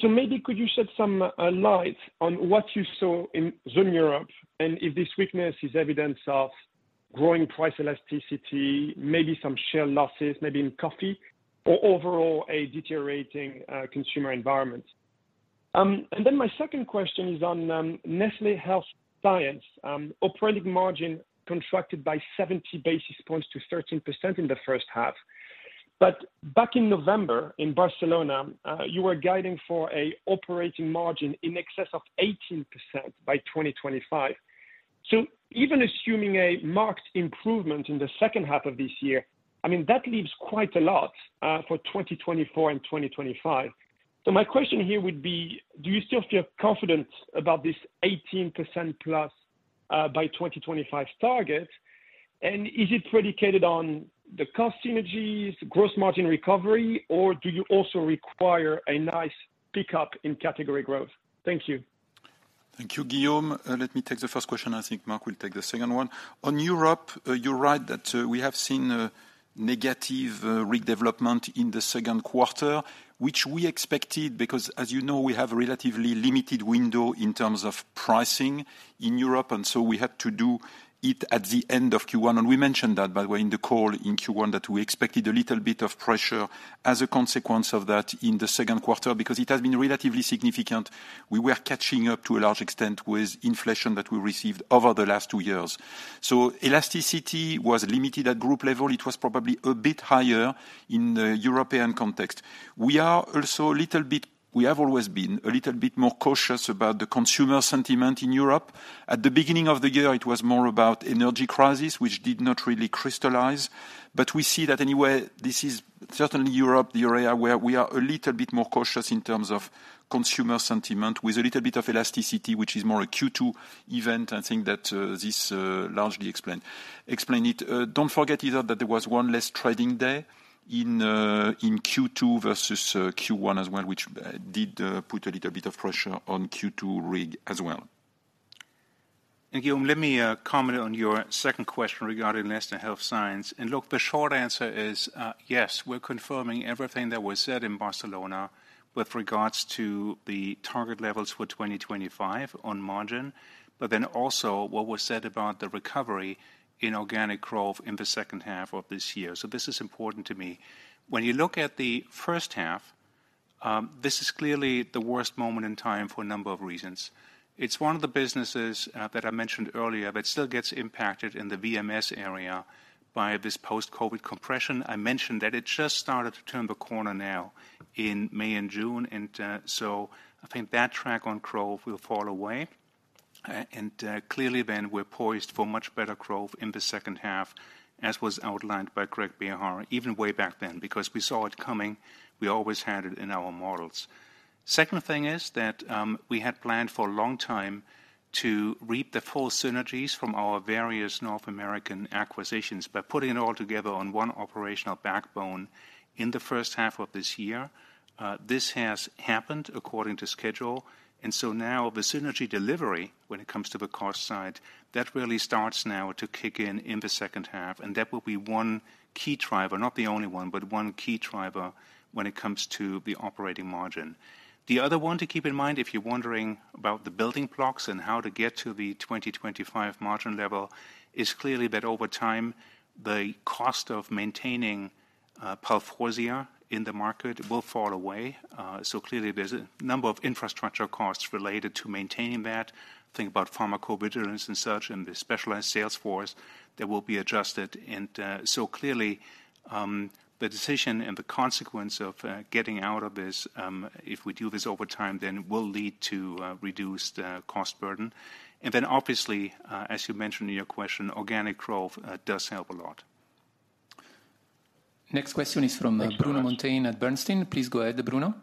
[SPEAKER 8] Maybe could you shed some light on what you saw in Zone Europe, and if this weakness is evidence of growing price elasticity, maybe some share losses, maybe in coffee, or overall a deteriorating consumer environment? My second question is on Nestlé Health Science. Operating margin contracted by 70 basis points to 13% in the first half. Back in November, in Barcelona, you were guiding for a operating margin in excess of 18% by 2025. Even assuming a marked improvement in the second half of this year, I mean, that leaves quite a lot for 2024 and 2025. My question here would be: do you still feel confident about this 18% plus, by 2025 target? Is it predicated on the cost synergies, gross margin recovery, or do you also require a nice pickup in category growth? Thank you.
[SPEAKER 3] Thank you, Guillaume. let me take the first question, I think Mark will take the second one. On Europe, you're right, that, we have seen a negative, RIG development in the second quarter, which we expected, because as you know, we have a relatively limited window in terms of pricing in Europe, and so we had to do it at the end of Q1. We mentioned that, by the way, in the call in Q1, that we expected a little bit of pressure as a consequence of that in the second quarter. It has been relatively significant, we were catching up to a large extent with inflation that we received over the last two years. Elasticity was limited at group level. It was probably a bit higher in the European context. We have always been a little bit more cautious about the consumer sentiment in Europe. At the beginning of the year, it was more about energy crisis, which did not really crystallize. We see that anyway, this is certainly Europe, the area where we are a little bit more cautious in terms of consumer sentiment, with a little bit of elasticity, which is more a Q2 event. I think that this largely explain it. Don't forget either that there was one less trading day in Q2 versus Q1 as well, which did put a little bit of pressure on Q2 RIG as well.
[SPEAKER 2] Guillaume, let me comment on your second question regarding Nestlé Health Science. Look, the short answer is yes, we're confirming everything that was said in Barcelona with regards to the target levels for 2025 on margin. Also what was said about the recovery in organic growth in the second half of this year. This is important to me. When you look at the first half, this is clearly the worst moment in time for a number of reasons. It's one of the businesses that I mentioned earlier, but still gets impacted in the VMS area by this post-COVID compression. I mentioned that it just started to turn the corner now in May and June, I think that track on growth will fall away. Clearly then, we're poised for much better growth in the second half, as was outlined by Greg Behar, even way back then, because we saw it coming, we always had it in our models. Second thing is that we had planned for a long time to reap the full synergies from our various North American acquisitions by putting it all together on one operational backbone in the first half of this year. This has happened according to schedule. Now the synergy delivery, when it comes to the cost side, that really starts now to kick in in the second half, and that will be one key driver, not the only one, but one key driver when it comes to the operating margin. The other one to keep in mind, if you're wondering about the building blocks and how to get to the 2025 margin level, is clearly that over time, the cost of maintaining Palforzia in the market will fall away. Clearly there's a number of infrastructure costs related to maintaining that. Think about pharmacovigilance and such, and the specialized sales force that will be adjusted. Clearly, the decision and the consequence of getting out of this, if we do this over time, then will lead to reduced cost burden. Obviously, as you mentioned in your question, organic growth does help a lot.
[SPEAKER 1] Next question is from.
[SPEAKER 2] Thanks, Guillaume.
[SPEAKER 1] Bruno Monteyne at Bernstein. Please go ahead, Bruno.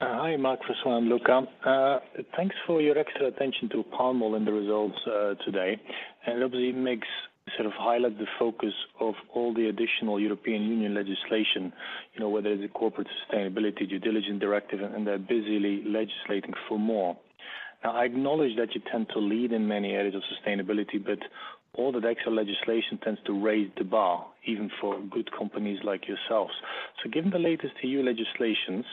[SPEAKER 9] Hi, Mark, François, and Luca. Thanks for your extra attention to palm oil and the results today. Obviously, it makes sort of highlight the focus of all the additional European Union legislation, you know, whether it's a Corporate Sustainability Due Diligence Directive, and they're busily legislating for more. Now, I acknowledge that you tend to lead in many areas of sustainability, but all the extra legislation tends to raise the bar, even for good companies like yourselves. Given the latest EU legislations,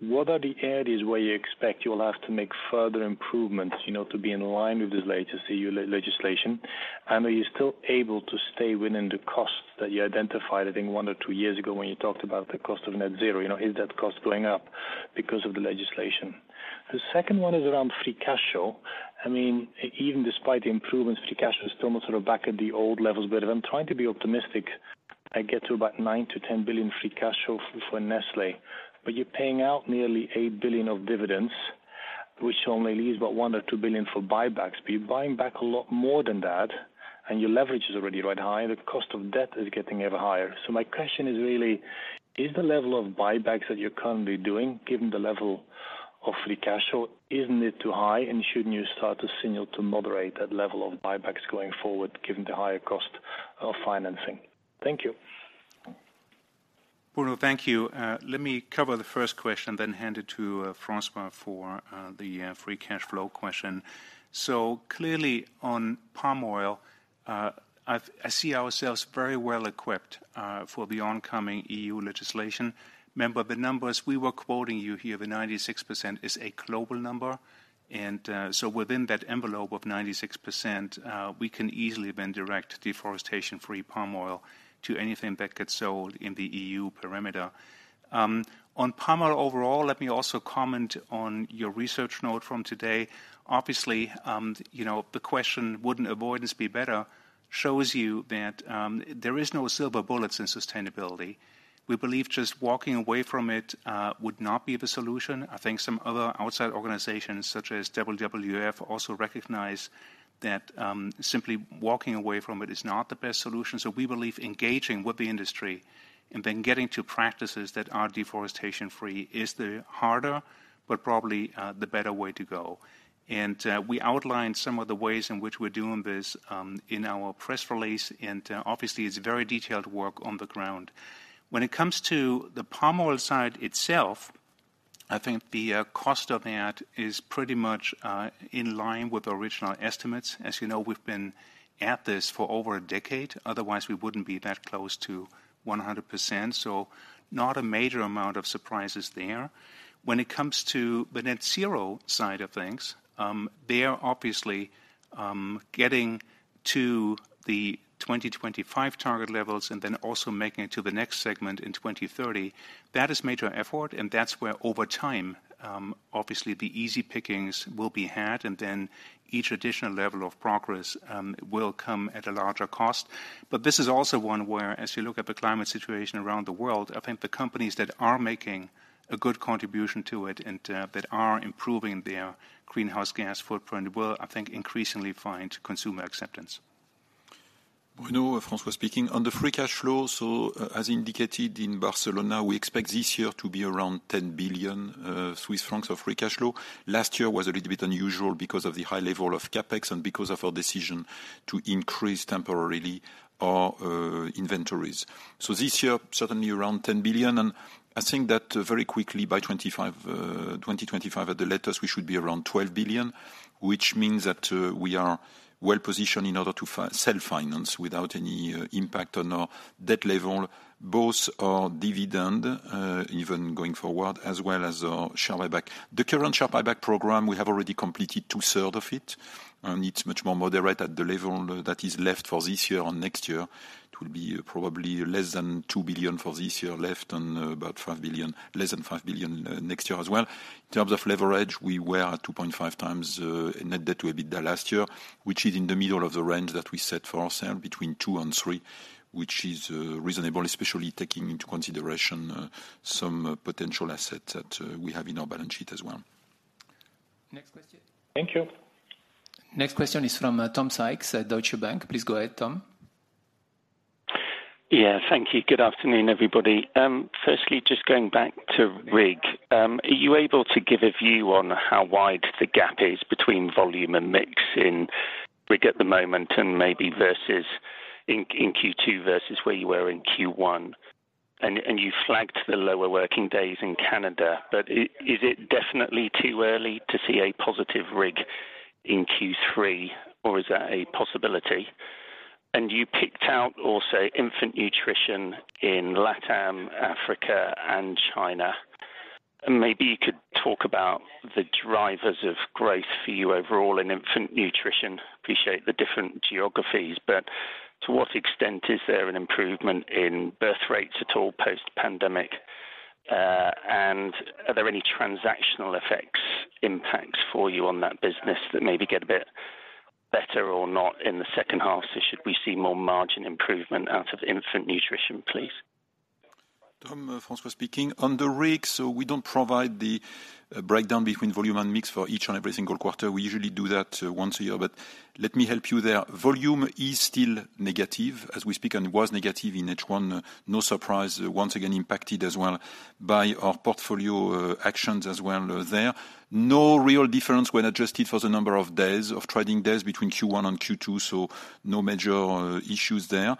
[SPEAKER 9] what are the areas where you expect you will have to make further improvements, you know, to be in line with this latest EU legislation? Are you still able to stay within the costs that you identified, I think, one or two years ago, when you talked about the cost of net zero? You know, is that cost going up because of the legislation? The second one is around free cash flow. I mean, even despite the improvements, free cash flow is still sort of back at the old levels. If I'm trying to be optimistic, I get to about 9 billion-10 billion free cash flow for Nestlé, but you're paying out nearly 8 billion of dividends, which only leaves about 1 billion or 2 billion for buybacks. You're buying back a lot more than that, and your leverage is already quite high, and the cost of debt is getting ever higher. My question is really: Is the level of buybacks that you're currently doing, given the level of free cash flow, isn't it too high? Shouldn't you start to signal to moderate that level of buybacks going forward, given the higher cost of financing? Thank you.
[SPEAKER 2] Bruno, thank you. Let me cover the first question, then hand it to François-Xavier for the free cash flow question. Clearly, on palm oil, I see ourselves very well equipped for the oncoming EU legislation. Remember, the numbers we were quoting you here, the 96%, is a global number. Within that envelope of 96%, we can easily then direct deforestation-free palm oil.... to anything that gets sold in the EU perimeter. On palm oil overall, let me also comment on your research note from today. Obviously, you know, the question wouldn't avoidance be better shows you that there is no silver bullets in sustainability. We believe just walking away from it would not be the solution. I think some other outside organizations such as WWF, also recognize that simply walking away from it is not the best solution. We believe engaging with the industry and then getting to practices that are deforestation-free is the harder, but probably the better way to go. We outlined some of the ways in which we're doing this in our press release, and obviously, it's very detailed work on the ground. When it comes to the palm oil side itself, I think the cost of that is pretty much in line with original estimates. As you know, we've been at this for over a decade, otherwise we wouldn't be that close to 100%, so not a major amount of surprises there. When it comes to the net zero side of things, there obviously, getting to the 2025 target levels and then also making it to the next segment in 2030, that is major effort. That's where, over time, obviously, the easy pickings will be had, and then each additional level of progress, will come at a larger cost. This is also one where, as you look at the climate situation around the world, I think the companies that are making a good contribution to it and, that are improving their greenhouse gas footprint will, I think, increasingly find consumer acceptance.
[SPEAKER 3] Bruno, François speaking. On the free cash flow, as indicated in Barcelona, we expect this year to be around 10 billion Swiss francs of free cash flow. Last year was a little bit unusual because of the high level of CapEx and because of our decision to increase temporarily our inventories. This year, certainly around 10 billion, and I think that very quickly by 2025 at the latest, we should be around 12 billion, which means that we are well positioned in order to sell finance without any impact on our debt level, both our dividend even going forward, as well as our share buyback. The current share buyback program, we have already completed two third of it, and it's much more moderate at the level that is left for this year and next year. It will be probably less than 2 billion for this year left, and less than 5 billion next year as well. In terms of leverage, we were at 2.5 times net debt to EBITDA last year, which is in the middle of the range that we set for ourselves, betweent wo and three, which is reasonable, especially taking into consideration, some potential assets that, we have in our balance sheet as well.
[SPEAKER 2] Next question?
[SPEAKER 9] Thank you.
[SPEAKER 1] Next question is from Tom Sykes at Deutsche Bank. Please go ahead, Tom.
[SPEAKER 10] Yeah, thank you. Good afternoon, everybody. Firstly, just going back to RIG. Are you able to give a view on how wide the gap is between volume and mix in RIG at the moment and maybe versus in Q2 versus where you were in Q1? You flagged the lower working days in Canada, but is it definitely too early to see a positive RIG in Q3, or is that a possibility? You picked out also infant nutrition in LATAM, Africa, and China. Maybe you could talk about the drivers of growth for you overall in infant nutrition. Appreciate the different geographies, but to what extent is there an improvement in birth rates at all post-pandemic? Are there any transactional effects, impacts for you on that business that maybe get a bit better or not in the second half? Should we see more margin improvement out of infant nutrition, please?
[SPEAKER 3] Tom, François speaking. On the RIG, we don't provide the breakdown between volume and mix for each and every single quarter. We usually do that once a year, but let me help you there. Volume is still negative as we speak, and was negative in H1. No surprise, once again, impacted as well by our portfolio actions as well there. No real difference when adjusted for the number of days, of trading days between Q1 and Q2, so no major issues there.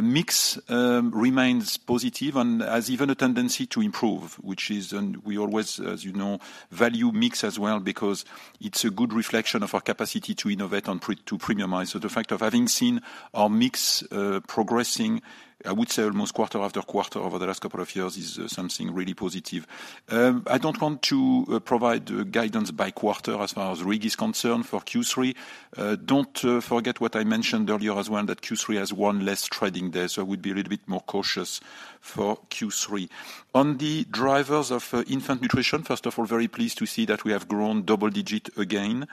[SPEAKER 3] Mix remains positive and has even a tendency to improve, which is, and we always, as you know, value mix as well because it's a good reflection of our capacity to innovate and to premiumize. The fact of having seen our mix progressing, I would say almost quarter after quarter over the last couple of years, is something really positive. I don't want to provide guidance by quarter as far as RIG is concerned for Q3. Don't forget what I mentioned earlier as well, that Q3 has one less trading day, so we'd be a little bit more cautious for Q3. On the drivers of infant nutrition, first of all, very pleased to see that we have grown double-digit again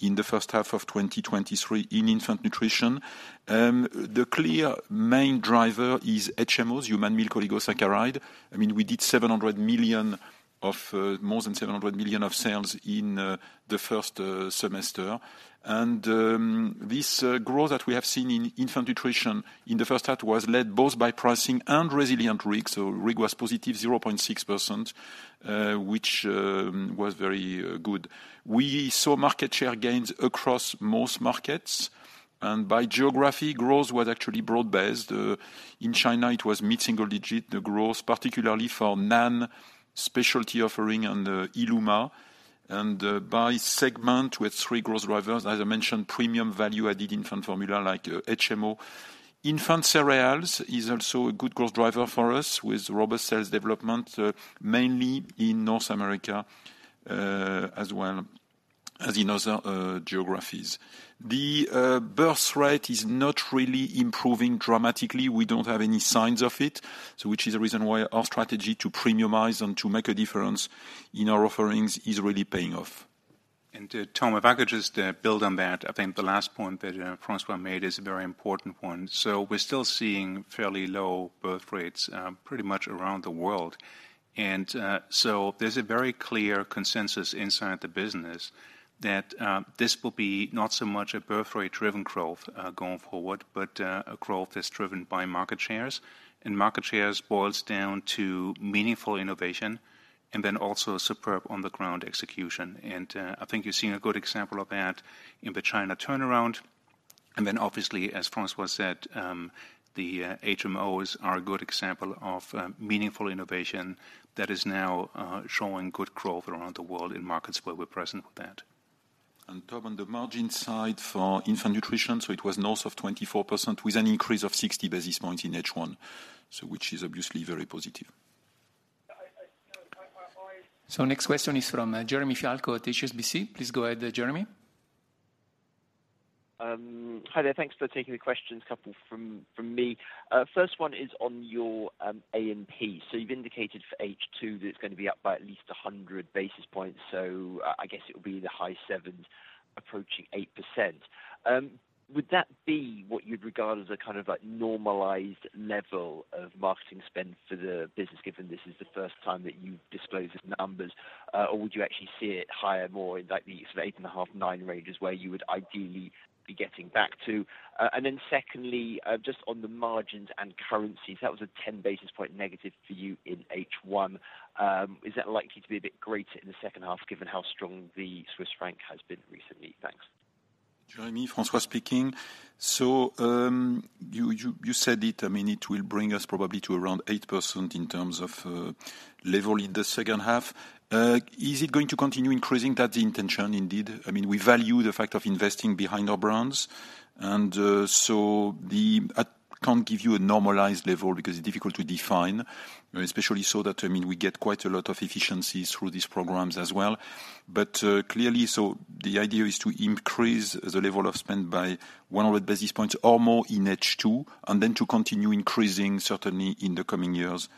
[SPEAKER 3] in the first half of 2023 in infant nutrition. The clear main driver is HMOs, human milk oligosaccharide. I mean, we did 700 million of more than 700 million of sales in the first semester. This growth that we have seen in infant nutrition in the first half was led both by pricing and resilient RIG. RIG was positive 0.6%, which was very good. We saw market share gains across most markets, and by geography, growth was actually broad-based. In China, it was mid-single-digit, the growth, particularly for NAN specialty offering and Illuma. By segment, with three growth drivers, as I mentioned, premium value added infant formula like HMO. Infant cereals is also a good growth driver for us, with robust sales development, mainly in North America, as well as in other geographies. The birth rate is not really improving dramatically. We don't have any signs of it, so which is a reason why our strategy to premiumize and to make a difference in our offerings is really paying off.
[SPEAKER 2] Tom, if I could just build on that, I think the last point that François made is a very important one. We're still seeing fairly low birth rates pretty much around the world. There's a very clear consensus inside the business that this will be not so much a birth rate-driven growth going forward, but a growth that's driven by market shares. Market shares boils down to meaningful innovation, and then also superb on-the-ground execution. I think you've seen a good example of that in the China turnaround. Then obviously, as François said, the HMOs are a good example of meaningful innovation that is now showing good growth around the world in markets where we're present with that.
[SPEAKER 3] Tom, on the margin side, for infant nutrition, it was north of 24%, with an increase of 60 basis points in H1, which is obviously very positive.
[SPEAKER 1] Next question is from Jeremy Fialko at HSBC. Please go ahead, Jeremy.
[SPEAKER 11] Hi there. Thanks for taking the questions, a couple from me. First one is on your A&P. You've indicated for H2 that it's gonna be up by at least 100 basis points, so I guess it'll be in the high seven's, approaching 8%. Would that be what you'd regard as a kind of like normalized level of marketing spend for the business, given this is the first time that you've disclosed these numbers? Or would you actually see it higher, more in like the 8.5, nine ranges, where you would ideally be getting back to? And then secondly, just on the margins and currencies, that was a 10 basis point negative for you in H1. Is that likely to be a bit greater in the second half, given how strong the Swiss franc has been recently? Thanks.
[SPEAKER 3] Jeremy, François speaking. You said it, I mean, it will bring us probably to around 8% in terms of level in the second half. Is it going to continue increasing? That's the intention, indeed. I mean, we value the fact of investing behind our brands, and I can't give you a normalized level because it's difficult to define, especially so that, I mean, we get quite a lot of efficiencies through these programs as well. Clearly, the idea is to increase the level of spend by 100 basis points or more in H2, and then to continue increasing, certainly, in the coming years,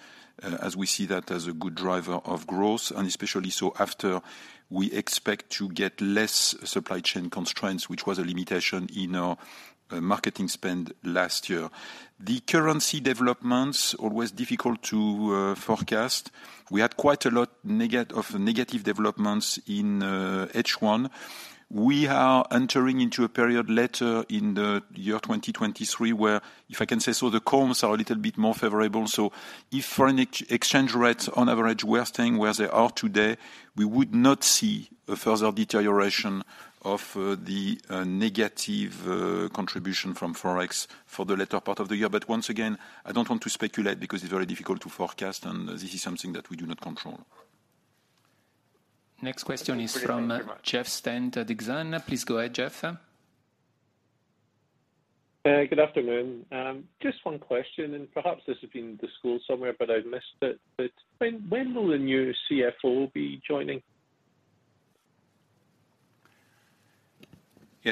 [SPEAKER 3] as we see that as a good driver of growth, and especially so after we expect to get less supply chain constraints, which was a limitation in our marketing spend last year. The currency developments, always difficult to forecast. We had quite a lot of negative developments in H1. We are entering into a period later in the year 2023, where, if I can say so, the comps are a little bit more favorable. If foreign exchange rates on average were staying where they are today, we would not see a further deterioration of the negative contribution from Forex for the latter part of the year. Once again, I don't want to speculate, because it's very difficult to forecast, and this is something that we do not control.
[SPEAKER 1] Next question.
[SPEAKER 11] Thank you very much.
[SPEAKER 1] is from Jeff Stent at Exane. Please go ahead, Jeff.
[SPEAKER 12] Good afternoon. Just one question, and perhaps this has been disclosed somewhere, but I missed it. When will the new CFO be joining?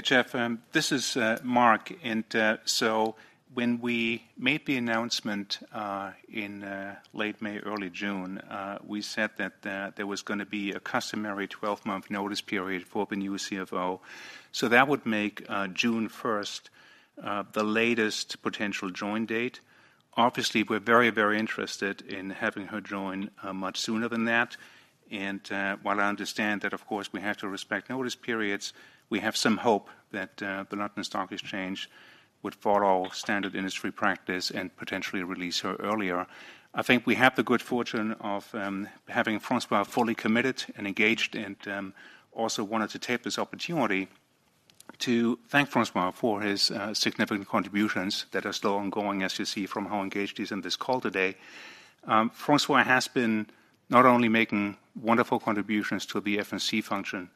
[SPEAKER 2] Jeff, this is Mark. When we made the announcement in late May, early June, we said that there was gonna be a customary 12-month notice period for the new CFO. That would make June first the latest potential join date. Obviously, we're very interested in having her join much sooner than that. While I understand that, of course, we have to respect notice periods, we have some hope that the London Stock Exchange would follow standard industry practice and potentially release her earlier. I think we have the good fortune of having François fully committed and engaged, also wanted to take this opportunity to thank François for his significant contributions that are still ongoing, as you see from how engaged he is in this call today. François has been not only making wonderful contributions to the FNC function,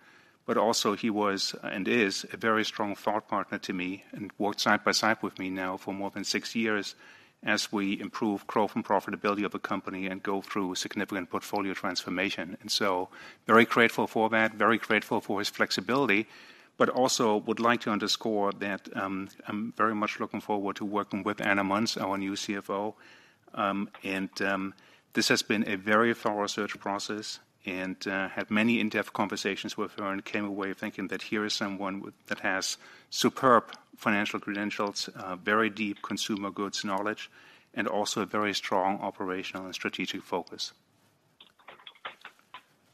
[SPEAKER 2] but also he was, and is, a very strong thought partner to me and worked side by side with me now for more than six years as we improve growth and profitability of the company and go through significant portfolio transformation. Very grateful for that, very grateful for his flexibility, but also would like to underscore that I'm very much looking forward to working with Anna Manz, our new CFO. This has been a very thorough search process and had many in-depth conversations with her and came away thinking that here is someone that has superb financial credentials, very deep consumer goods knowledge, and also a very strong operational and strategic focus.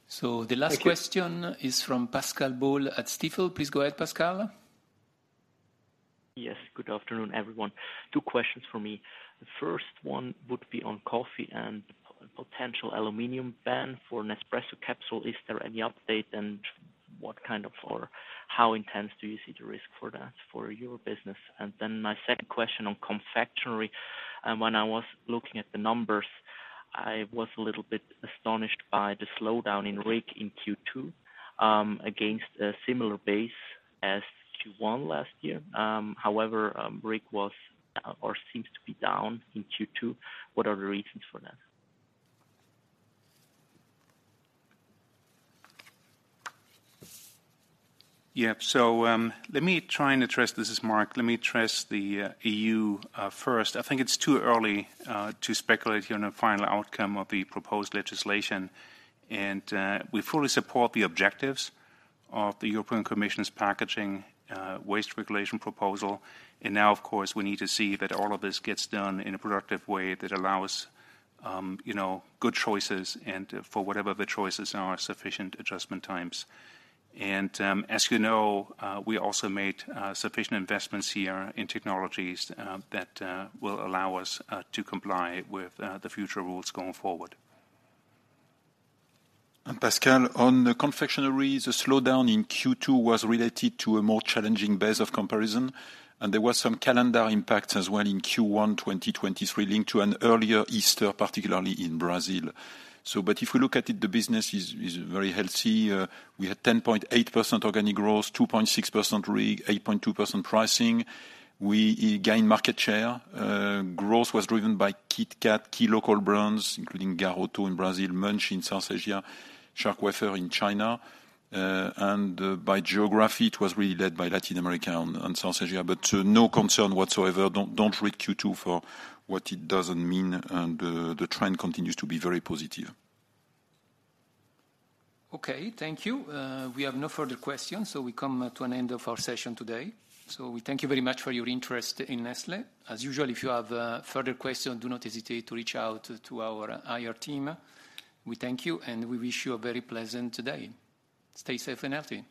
[SPEAKER 1] So the-
[SPEAKER 12] Thank you.
[SPEAKER 1] Last question is from Pascal Boll at Stifel. Please go ahead, Pascal.
[SPEAKER 13] Yes, good afternoon, everyone. Two questions for me. The first one would be on coffee and potential aluminum ban for Nespresso capsule. Is there any update, and what kind of or how intense do you see the risk for that for your business? My second question on confectionery, and when I was looking at the numbers, I was a little bit astonished by the slowdown in RIG in Q2, against a similar base as Q1 last year. However, RIG was, or seems to be down in Q2. What are the reasons for that?
[SPEAKER 2] Yeah. This is Mark. Let me address the EU first. I think it's too early to speculate on a final outcome of the proposed legislation. We fully support the objectives of the European Commission's packaging waste regulation proposal. Now, of course, we need to see that all of this gets done in a productive way that allows, you know, good choices, and for whatever the choices are, sufficient adjustment times. As you know, we also made sufficient investments here in technologies that will allow us to comply with the future rules going forward.
[SPEAKER 3] Pascal, on the confectionery, the slowdown in Q2 was related to a more challenging base of comparison, there was some calendar impacts as well in Q1 2023, linked to an earlier Easter, particularly in Brazil. If we look at it, the business is very healthy. We had 10.8% organic growth, 2.6% RIG, 8.2% pricing. We gained market share. Growth was driven by KitKat, key local brands, including Garoto in Brazil, Munch in South Asia, Shark Wafer in China. By geography, it was really led by Latin America and South Asia, no concern whatsoever. Don't read Q2 for what it doesn't mean, the trend continues to be very positive.
[SPEAKER 1] Okay, thank you. We have no further questions. We come to an end of our session today. We thank you very much for your interest in Nestlé. As usual, if you have further questions, do not hesitate to reach out to our IR team. We thank you, and we wish you a very pleasant today. Stay safe and healthy.